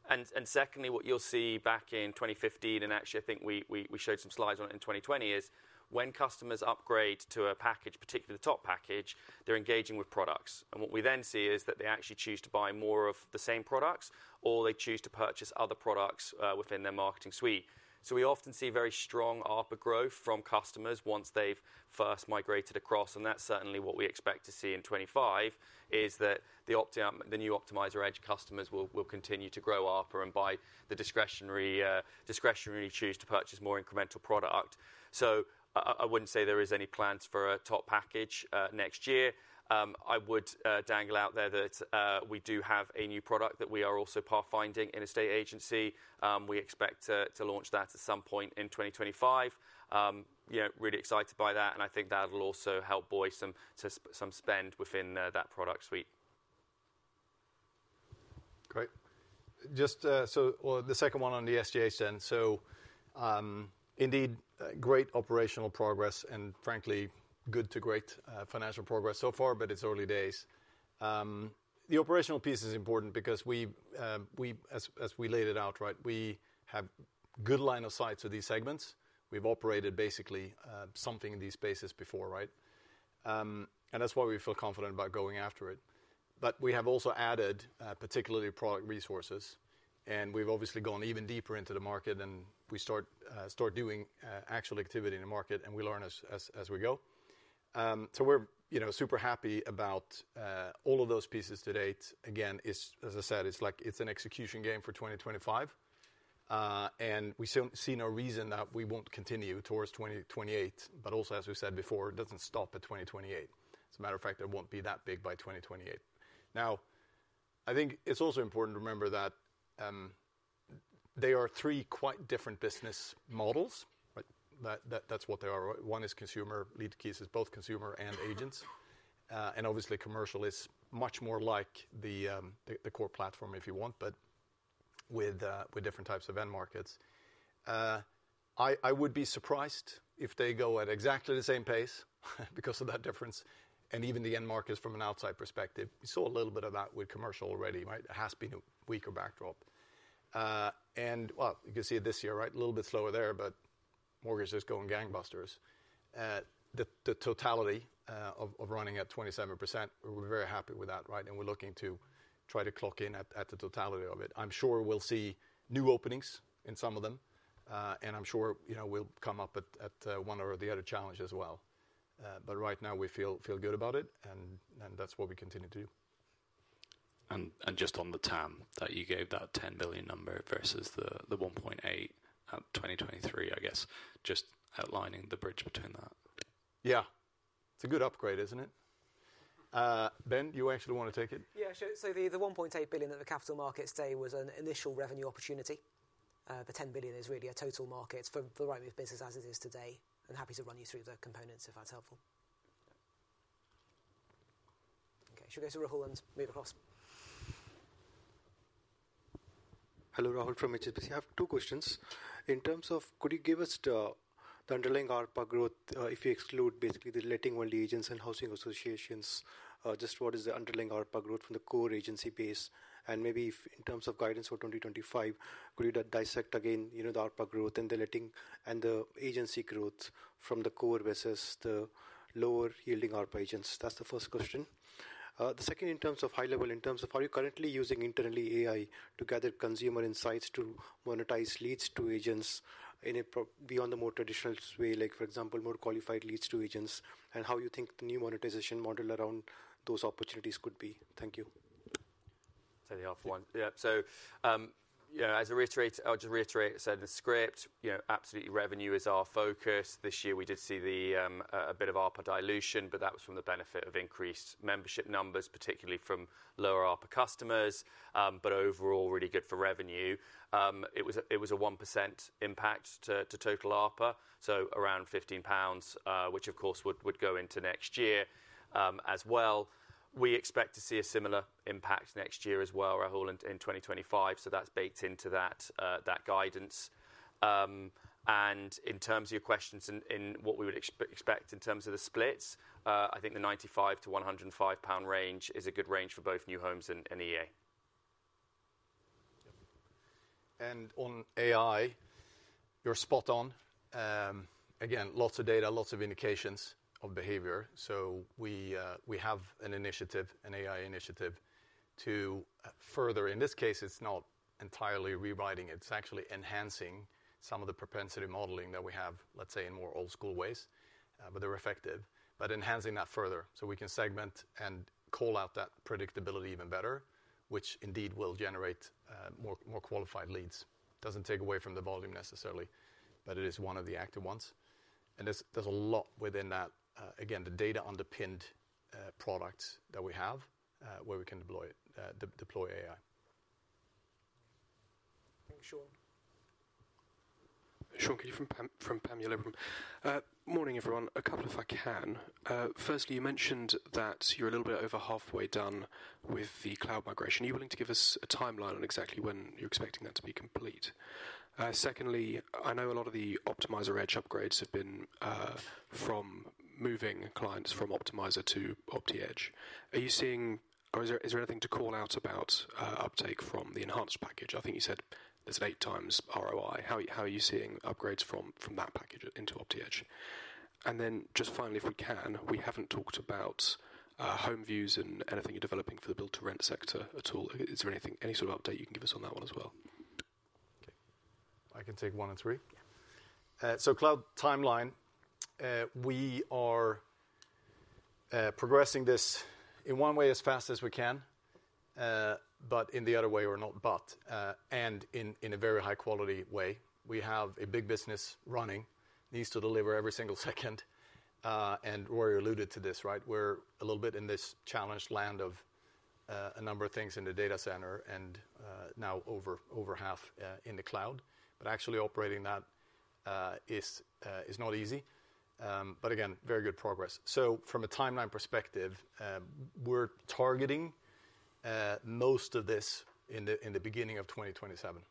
And secondly, what you'll see back in 2015, and actually I think we showed some slides on it in 2020, is when customers upgrade to a package, particularly the top package, they're engaging with products. What we then see is that they actually choose to buy more of the same products or they choose to purchase other products within their marketing suite. So we often see very strong ARPA growth from customers once they've first migrated across. And that's certainly what we expect to see in 2025, is that the new Optimiser Edge customers will continue to grow ARPA and by the discretionary choice to purchase more incremental product. So I wouldn't say there is any plans for a top package next year. I would dangle out there that we do have a new product that we are also pathfinding in an estate agency. We expect to launch that at some point in 2025. Really excited by that. And I think that will also help boost some spend within that product suite. Great. Just the second one on the SGAs then. So indeed, great operational progress and frankly, good to great financial progress so far, but it's early days. The operational piece is important because we, as we laid it out, right, we have a good line of sight to these segments. We've operated basically something in these spaces before, right? And that's why we feel confident about going after it. But we have also added particularly product resources, and we've obviously gone even deeper into the market, and we start doing actual activity in the market, and we learn as we go. So we're super happy about all of those pieces to date. Again, as I said, it's like it's an execution game for 2025. And we see no reason that we won't continue towards 2028, but also, as we said before, it doesn't stop at 2028. As a matter of fact, it won't be that big by 2028. Now, I think it's also important to remember that they are three quite different business models. That's what they are. One is consumer. Lead-to-Keys is both consumer and agents. And obviously, commercial is much more like the core platform, if you want, but with different types of end markets. I would be surprised if they go at exactly the same pace because of that difference. And even the end markets from an outside perspective, we saw a little bit of that with commercial already, right? It has been a weaker backdrop. And well, you can see it this year, right? A little bit slower there, but mortgages going gangbusters. The totality of running at 27%, we're very happy with that, right? And we're looking to try to clock in at the totality of it. I'm sure we'll see new openings in some of them, and I'm sure we'll come up at one or the other challenge as well. But right now, we feel good about it, and that's what we continue to do. And just on the TAM that you gave, that 10 billion number versus the 1.8 billion 2023, I guess, just outlining the bridge between that. Yeah. It's a good upgrade, isn't it? Ben, you actually want to take it? Yeah. So the 1.8 billion that the Capital Markets Day was an initial revenue opportunity. The 10 billion is really a total market for the Rightmove business as it is today. And happy to run you through the components if that's helpful. Okay. Should we go to Rahul and move across? Hello, Rahul from HSBC. I have two questions. In terms of, could you give us the underlying ARPA growth if you exclude basically the letting-only agents and housing associations? Just what is the underlying ARPA growth from the core agency base? And maybe in terms of guidance for 2025, could you dissect again the ARPA growth and the letting and the agency growth from the core versus the lower-yielding ARPA agents? That's the first question. The second, in terms of high-level, in terms of how you're currently using internally AI to gather consumer insights to monetize leads to agents beyond the more traditional way, like for example, more qualified leads to agents, and how you think the new monetization model around those opportunities could be. Thank you. So the first one. Yeah. So as I'll just reiterate, so the script, absolutely revenue is our focus. This year, we did see a bit of ARPA dilution, but that was from the benefit of increased membership numbers, particularly from lower ARPA customers, but overall really good for revenue. It was a 1% impact to total ARPA, so around 15 pounds, which of course would go into next year as well. We expect to see a similar impact next year as well, Rahul, in 2025, so that's baked into that guidance and in terms of your questions in what we would expect in terms of the splits, I think the 95-105 pound range is a good range for both new homes and EA. And on AI, you're spot on. Again, lots of data, lots of indications of behavior, so we have an initiative, an AI initiative to further, in this case, it's not entirely rewriting. It's actually enhancing some of the propensity modeling that we have, let's say, in more old-school ways, but they're effective, but enhancing that further so we can segment and call out that predictability even better, which indeed will generate more qualified leads. Doesn't take away from the volume necessarily, but it is one of the active ones, and there's a lot within that, again, the data-underpinned products that we have where we can deploy AI. Thanks, Sean. Sean Kealy from Panmure Liberum. Morning, everyone. A couple if I can. Firstly, you mentioned that you're a little bit over halfway done with the cloud migration. Are you willing to give us a timeline on exactly when you're expecting that to be complete? Secondly, I know a lot of the Optimiser Edge upgrades have been from moving clients from Optimiser to Opti Edge. Are you seeing, or is there anything to call out about uptake from the Enhanced package? I think you said there's an 8x ROI. How are you seeing upgrades from that package into OptiEdge? And then just finally, if we can, we haven't talked about HomeViews and anything you're developing for the Build-to-Rent sector at all. Is there any sort of update you can give us on that one as well? I can take one or three. So cloud timeline, we are progressing this in one way as fast as we can, but in the other way, and in a very high-quality way. We have a big business running. Needs to deliver every single second. And Rauridh alluded to this, right? We're a little bit in this challenged land of a number of things in the data center and now over half in the cloud. But actually operating that is not easy. But again, very good progress. So from a timeline perspective, we're targeting most of this in the beginning of 2027.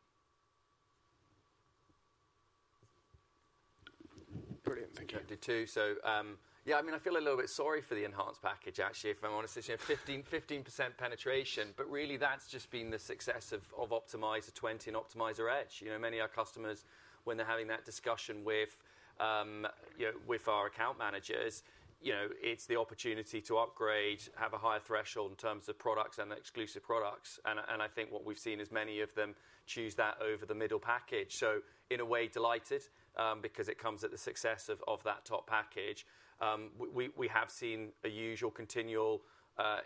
Brilliant. Thank you. 2022. So yeah, I mean, I feel a little bit sorry for the Enhanced package, actually, if I'm honest. 15% penetration. But really, that's just been the success of Optimiser 2020 and Optimiser Edge. Many of our customers, when they're having that discussion with our account managers, it's the opportunity to upgrade, have a higher threshold in terms of products and exclusive products. And I think what we've seen is many of them choose that over the middle package. So in a way, delighted because it comes at the success of that top package. We have seen a usual continual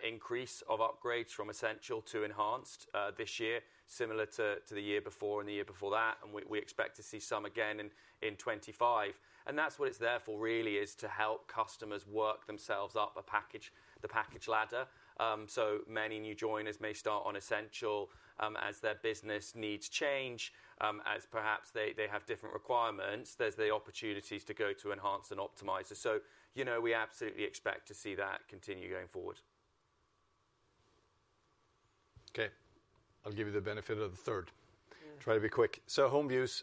increase of upgrades from Essential to Enhanced this year, similar to the year before and the year before that. We expect to see some again in 2025. That's what it's there for really, is to help customers work themselves up the package ladder. Many new joiners may start on Essential as their business needs change, as perhaps they have different requirements. There's the opportunities to go to Enhanced and Optimiser. We absolutely expect to see that continue going forward. Okay. I'll give you the benefit of the third. Try to be quick. HomeViews is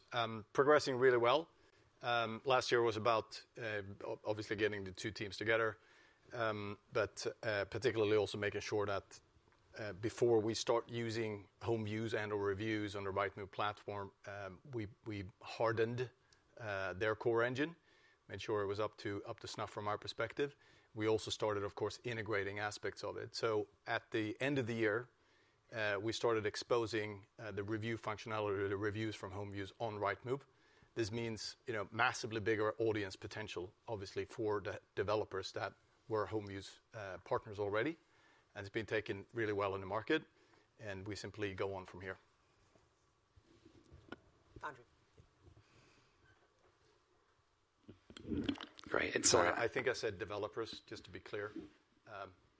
progressing really well. Last year was about obviously getting the two teams together, but particularly also making sure that before we start using HomeViews and/or reviews on the Rightmove platform, we hardened their core engine, made sure it was up to snuff from our perspective. We also started, of course, integrating aspects of it. At the end of the year, we started exposing the review functionality or the reviews from HomeViews on Rightmove. This means massively bigger audience potential, obviously, for the developers that were HomeViews partners already. And it's been taken really well in the market. And we simply go on from here. Andrew. Great. And sorry. I think I said developers, just to be clear.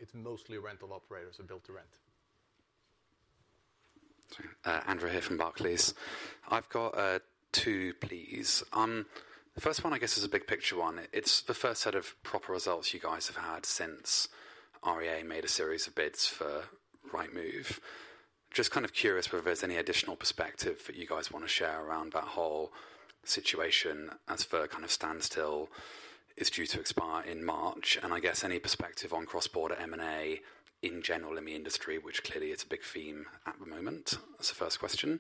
It's mostly rental operators or Build-to-Rent. Andrew here from Barclays. I've got two, please. The first one, I guess, is a big picture one. It's the first set of proper results you guys have had since REA made a series of bids for Rightmove. Just kind of curious whether there's any additional perspective that you guys want to share around that whole situation as for kind of standstill is due to expire in March. I guess any perspective on cross-border M&A in general in the industry, which clearly is a big theme at the moment. That's the first question.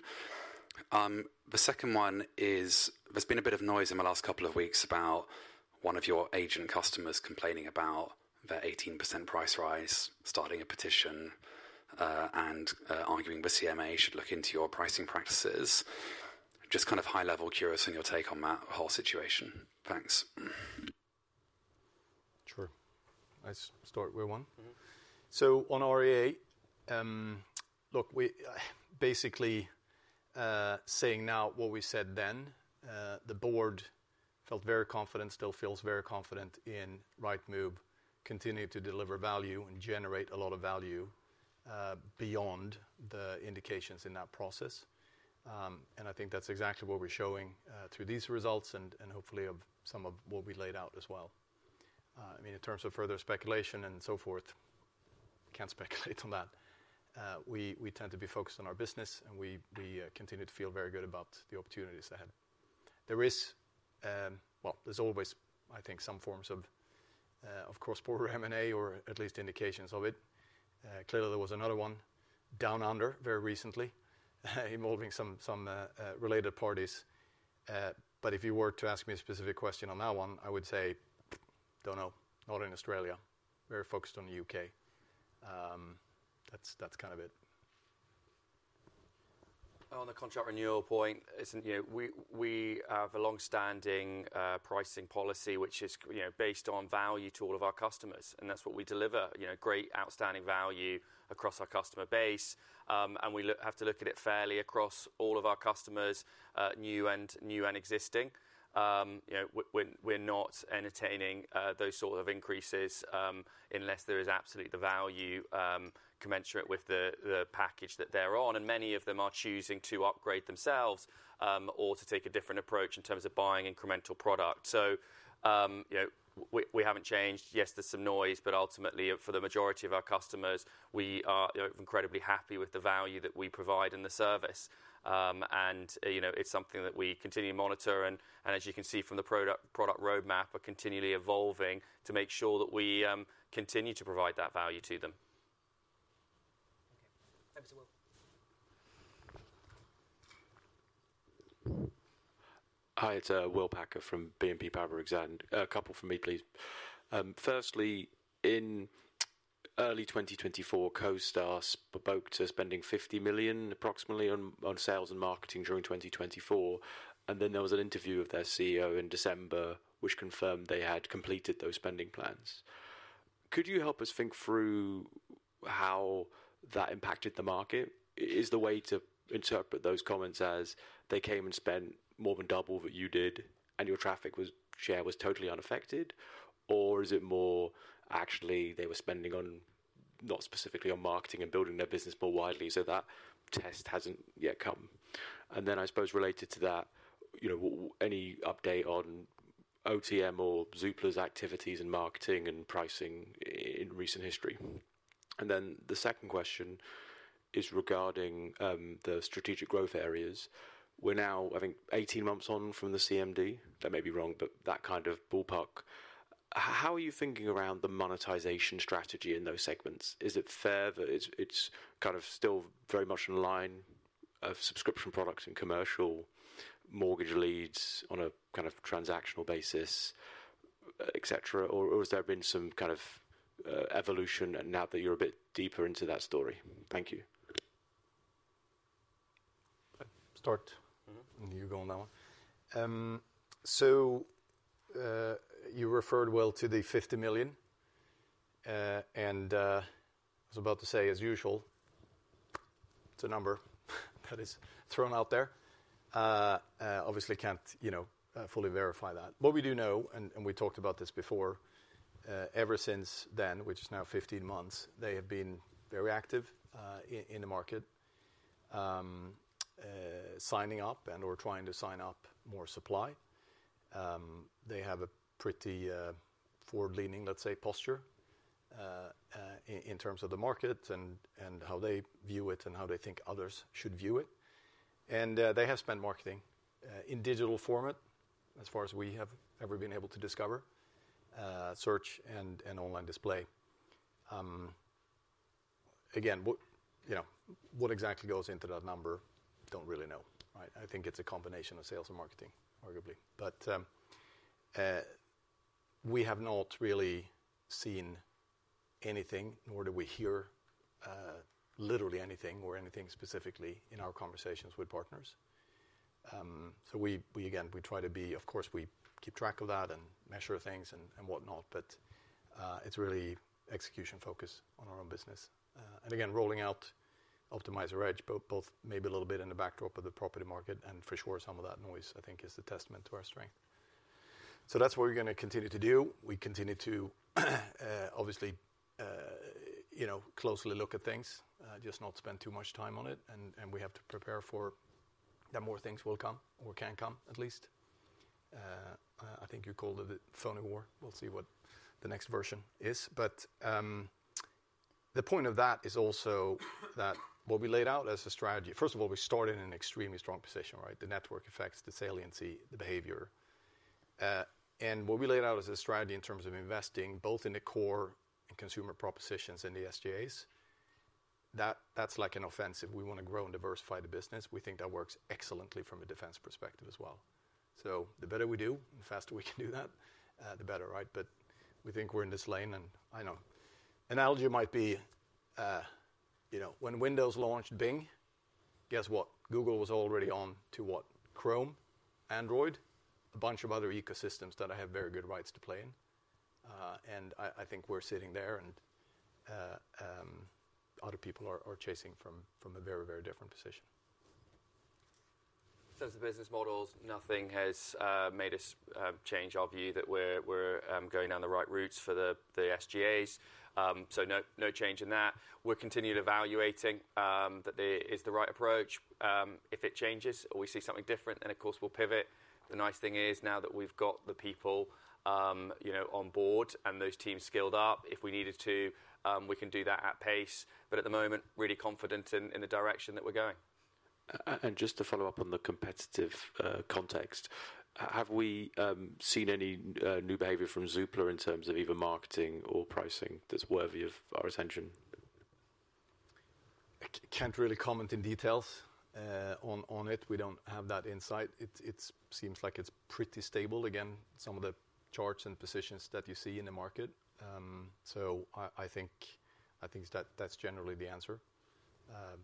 The second one is there's been a bit of noise in the last couple of weeks about one of your agent customers complaining about their 18% price rise, starting a petition and arguing the CMA should look into your pricing practices. Just kind of high-level curious on your take on that whole situation. Thanks. Sure. I'll start with one. On REA, look, basically saying now what we said then, the board felt very confident, still feels very confident in Rightmove, continuing to deliver value and generate a lot of value beyond the indications in that process. And I think that's exactly what we're showing through these results and hopefully of some of what we laid out as well. I mean, in terms of further speculation and so forth, can't speculate on that. We tend to be focused on our business, and we continue to feel very good about the opportunities ahead. There is, well, there's always, I think, some forms of cross-border M&A or at least indications of it. Clearly, there was another one down under very recently involving some related parties. But if you were to ask me a specific question on that one, I would say, don't know, not in Australia. Very focused on the U.K. That's kind of it. On the contract renewal point, we have a long-standing pricing policy which is based on value to all of our customers, and that's what we deliver, great outstanding value across our customer base, and we have to look at it fairly across all of our customers, new and existing. We're not entertaining those sorts of increases unless there is absolutely the value commensurate with the package that they're on. And many of them are choosing to upgrade themselves or to take a different approach in terms of buying incremental product. So we haven't changed. Yes, there's some noise, but ultimately, for the majority of our customers, we are incredibly happy with the value that we provide and the service. And it's something that we continue to monitor. And as you can see from the product roadmap, we're continually evolving to make sure that we continue to provide that value to them. Okay. Thanks,[Rauridh]. Hi, it's William Packer from BNP Paribas. A couple for me, please. Firstly, in early 2024, CoStar spoke to spending approximately $50 million on sales and marketing during 2024. Then there was an interview of their CEO in December, which confirmed they had completed those spending plans. Could you help us think through how that impacted the market? Is the way to interpret those comments as they came and spent more than double what you did and your traffic share was totally unaffected? Or is it more actually they were spending on, not specifically on marketing and building their business more widely so that test hasn't yet come? I suppose related to that, any update on OTM or Zoopla's activities in marketing and pricing in recent history? The second question is regarding the strategic growth areas. We're now, I think, 18 months on from the CMD. That may be wrong, but that kind of ballpark. How are you thinking around the monetization strategy in those segments? Is it fair that it's kind of still very much in line with subscription products and commercial mortgage leads on a kind of transactional basis, etc.? Or has there been some kind of evolution now that you're a bit deeper into that story? Thank you. Start. And you go on that one. So you referred, well, to the 50 million. And I was about to say, as usual, it's a number that is thrown out there. Obviously, can't fully verify that. What we do know, and we talked about this before, ever since then, which is now 15 months, they have been very active in the market, signing up and/or trying to sign up more supply. They have a pretty forward-leaning, let's say, posture in terms of the market and how they view it and how they think others should view it. They have spent marketing in digital format, as far as we have ever been able to discover, search, and online display. Again, what exactly goes into that number? Don't really know. I think it's a combination of sales and marketing, arguably. But we have not really seen anything, nor did we hear literally anything or anything specifically in our conversations with partners. So again, we try to be, of course, we keep track of that and measure things and whatnot, but it's really execution focus on our own business. And again, rolling out Optimiser Edge, both maybe a little bit in the backdrop of the property market and for sure some of that noise, I think, is the testament to our strength. So that's what we're going to continue to do. We continue to, obviously, closely look at things, just not spend too much time on it. And we have to prepare for that more things will come or can come, at least. I think you called it a phony war. We'll see what the next version is. But the point of that is also that what we laid out as a strategy, first of all, we started in an extremely strong position, right? The network effects, the saliency, the behavior. And what we laid out as a strategy in terms of investing both in the core and consumer propositions and the SGAs, that's like an offensive. We want to grow and diversify the business. We think that works excellently from a defense perspective as well. So the better we do and the faster we can do that, the better, right? But we think we're in this lane. And I know analogy might be when Windows launched Bing, guess what? Google was already on to what? Chrome, Android, a bunch of other ecosystems that I have very good rights to play in. And I think we're sitting there and other people are chasing from a very, very different position. In terms of business models, nothing has made us change our view that we're going down the right routes for the SGAs. So no change in that. We're continually evaluating that it is the right approach. If it changes or we see something different, then of course we'll pivot. The nice thing is now that we've got the people on board and those teams skilled up, if we needed to, we can do that at pace. But at the moment, really confident in the direction that we're going. And just to follow up on the competitive context, have we seen any new behavior from Zoopla in terms of either marketing or pricing that's worthy of our attention? I can't really comment in details on it. We don't have that insight. It seems like it's pretty stable. Again, some of the charts and positions that you see in the market. So I think that's generally the answer.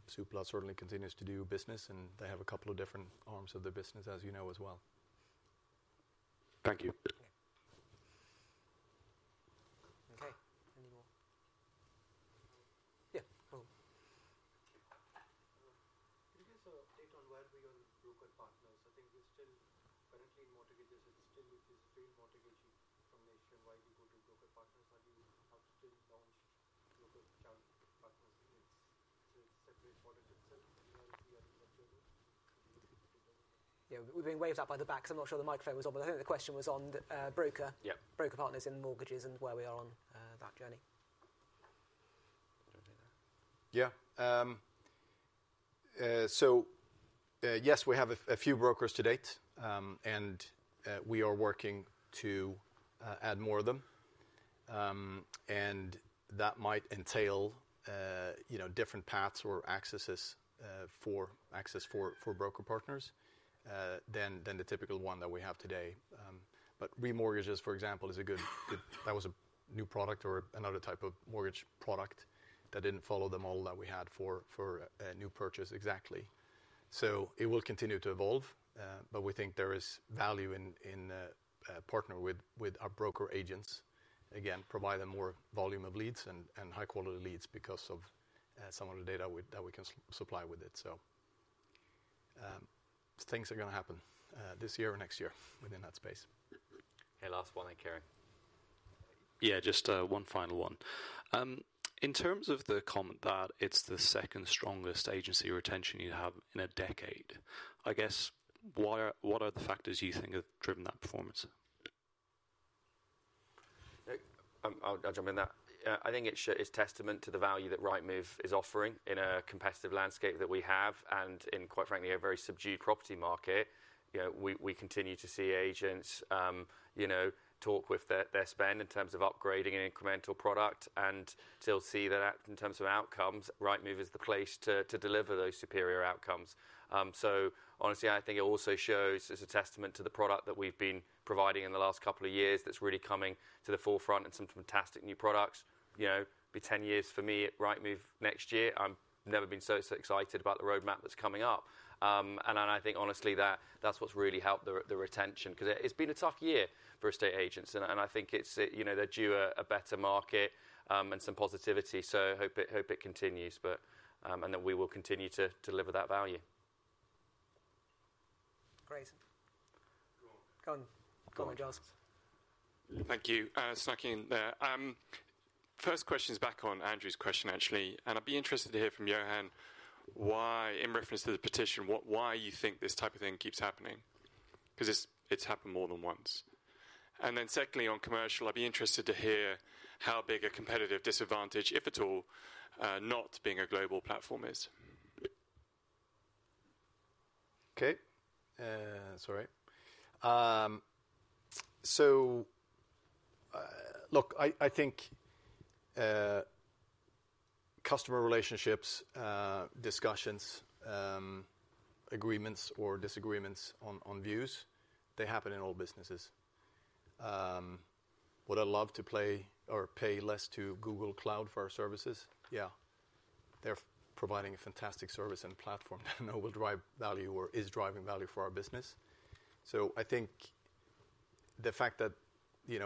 Zoopla certainly continues to do business, and they have a couple of different arms of the business, as you know, as well. Thank you. Okay. Any more? Yeah. Hello. Could you give us an update on where we are with broker partners? I think we're still currently in mortgages. It's still with this real mortgage information while you go to broker partners. Have you still launched L&C partners? Is it separate product itself? And where we are in that journey? Have you put together that? Yeah. We're being waved up at the back. I'm not sure the microphone was on, but I think the question was on broker partners in mortgages and where we are on that journey. Yeah. Yes, we have a few brokers to date, and we are working to add more of them. That might entail different paths or accesses for broker partners than the typical one that we have today. Remortgages, for example, is a good—that was a new product or another type of mortgage product that didn't follow the model that we had for a new purchase exactly. It will continue to evolve, but we think there is value in partnering with our broker agents, again, provide them more volume of leads and high-quality leads because of some of the data that we can supply with it. Things are going to happen this year or next year within that space. Okay. Last one, then, [Ciaran]. Yeah, just one final one. In terms of the comment that it's the second strongest agency retention you have in a decade, I guess, what are the factors you think have driven that performance? I'll jump in there. I think it's testament to the value that Rightmove is offering in a competitive landscape that we have and in, quite frankly, a very subdued property market. We continue to see agents talk with their spend in terms of upgrading an incremental product and still see that in terms of outcomes, Rightmove is the place to deliver those superior outcomes. So honestly, I think it also shows it's a testament to the product that we've been providing in the last couple of years that's really coming to the forefront and some fantastic new products. It'll be 10 years for me at Rightmove next year. I've never been so excited about the roadmap that's coming up. I think, honestly, that's what's really helped the retention because it's been a tough year for estate agents. I think they do a better market and some positivity. I hope it continues, and then we will continue to deliver that value. [Grayson]. Go on. Go on, [Josh]. Thank you. Stuck in there. First question is back on Andrew's question, actually. I'd be interested to hear from Johan why, in reference to the petition, why you think this type of thing keeps happening because it's happened more than once. Then secondly, on commercial, I'd be interested to hear how big a competitive disadvantage, if at all, not being a global platform is. Okay. Sorry. So look, I think customer relationships, discussions, agreements, or disagreements on views, they happen in all businesses. Would I love to play or pay less to Google Cloud for our services? Yeah. They're providing a fantastic service and platform that I know will drive value or is driving value for our business. So I think the fact that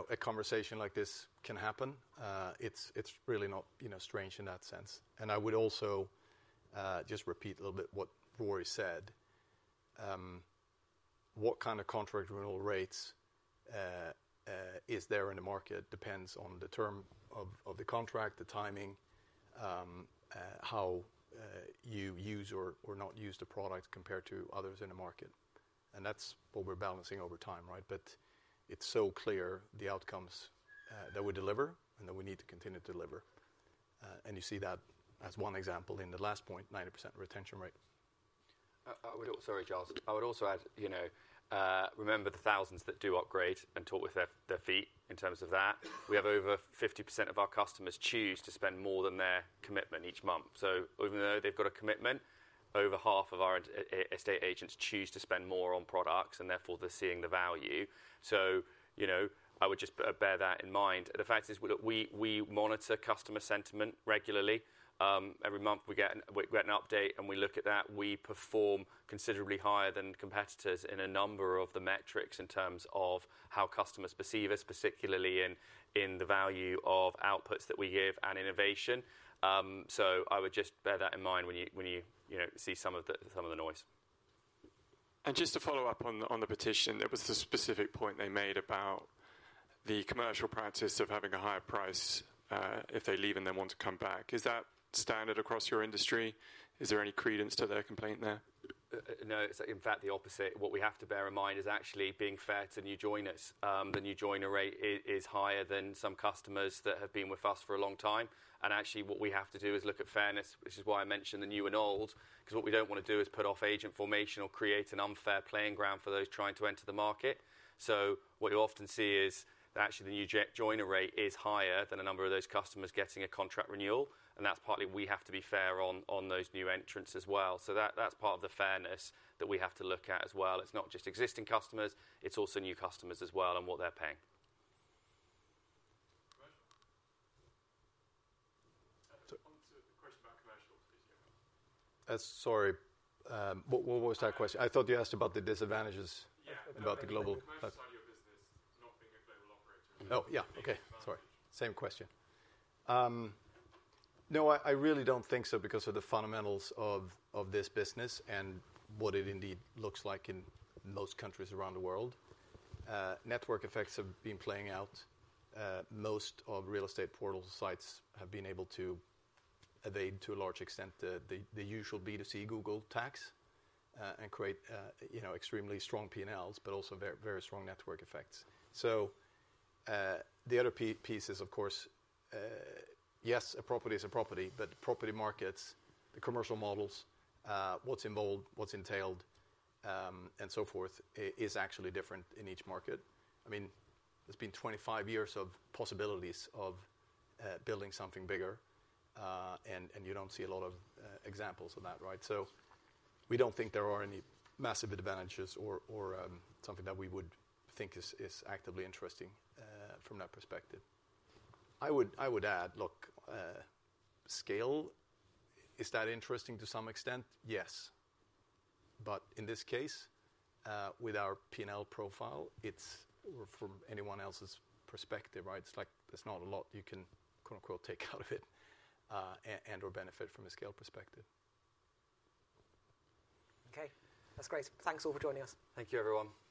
a conversation like this can happen; it's really not strange in that sense. I would also just repeat a little bit what Rauridh said. What kind of contract renewal rates is there in the market depends on the term of the contract, the timing, how you use or not use the product compared to others in the market. That's what we're balancing over time, right? But it's so clear the outcomes that we deliver and that we need to continue to deliver. You see that as one example in the last point, 90% retention rate. Sorry, [Josh]. I would also add, remember the thousands that do upgrade and talk with their feet in terms of that. We have over 50% of our customers choose to spend more than their commitment each month. So even though they've got a commitment, over half of our estate agents choose to spend more on products, and therefore they're seeing the value. So I would just bear that in mind. The fact is that we monitor customer sentiment regularly. Every month we get an update, and we look at that. We perform considerably higher than competitors in a number of the metrics in terms of how customers perceive us, particularly in the value of outputs that we give and innovation. So I would just bear that in mind when you see some of the noise. And just to follow up on the petition, there was a specific point they made about the commercial practice of having a higher price if they leave and they want to come back. Is that standard across your industry? Is there any credence to their complaint there? No, it's in fact the opposite. What we have to bear in mind is actually being fair to new joiners. The new joiner rate is higher than some customers that have been with us for a long time. And actually, what we have to do is look at fairness, which is why I mentioned the new and old, because what we don't want to do is put off agent formation or create an unfair playing field for those trying to enter the market. What you often see is that actually the new joiner rate is higher than a number of those customers getting a contract renewal. And that's partly we have to be fair on those new entrants as well. That's part of the fairness that we have to look at as well. It's not just existing customers. It's also new customers as well and what they're paying. Onto the question about commercial, please, Johan. Sorry. What was that question? I thought you asked about the disadvantages about the global. Yeah. The commercial side of your business, not being a global operator. Oh, yeah. Okay. Sorry. Same question. No, I really don't think so because of the fundamentals of this business and what it indeed looks like in most countries around the world. Network effects have been playing out. Most of real estate portal sites have been able to evade to a large extent the usual B2C Google tax and create extremely strong P&Ls, but also very strong network effects. So the other piece is, of course, yes, a property is a property, but property markets, the commercial models, what's involved, what's entailed, and so forth is actually different in each market. I mean, there's been 25 years of possibilities of building something bigger, and you don't see a lot of examples of that, right? So we don't think there are any massive advantages or something that we would think is actively interesting from that perspective. I would add, look, scale, is that interesting to some extent? Yes. But in this case, with our P&L profile, it's from anyone else's perspective, right? It's like there's not a lot you can "take out of it" and/or benefit from a scale perspective. Okay. That's great. Thanks all for joining us. Thank you, everyone.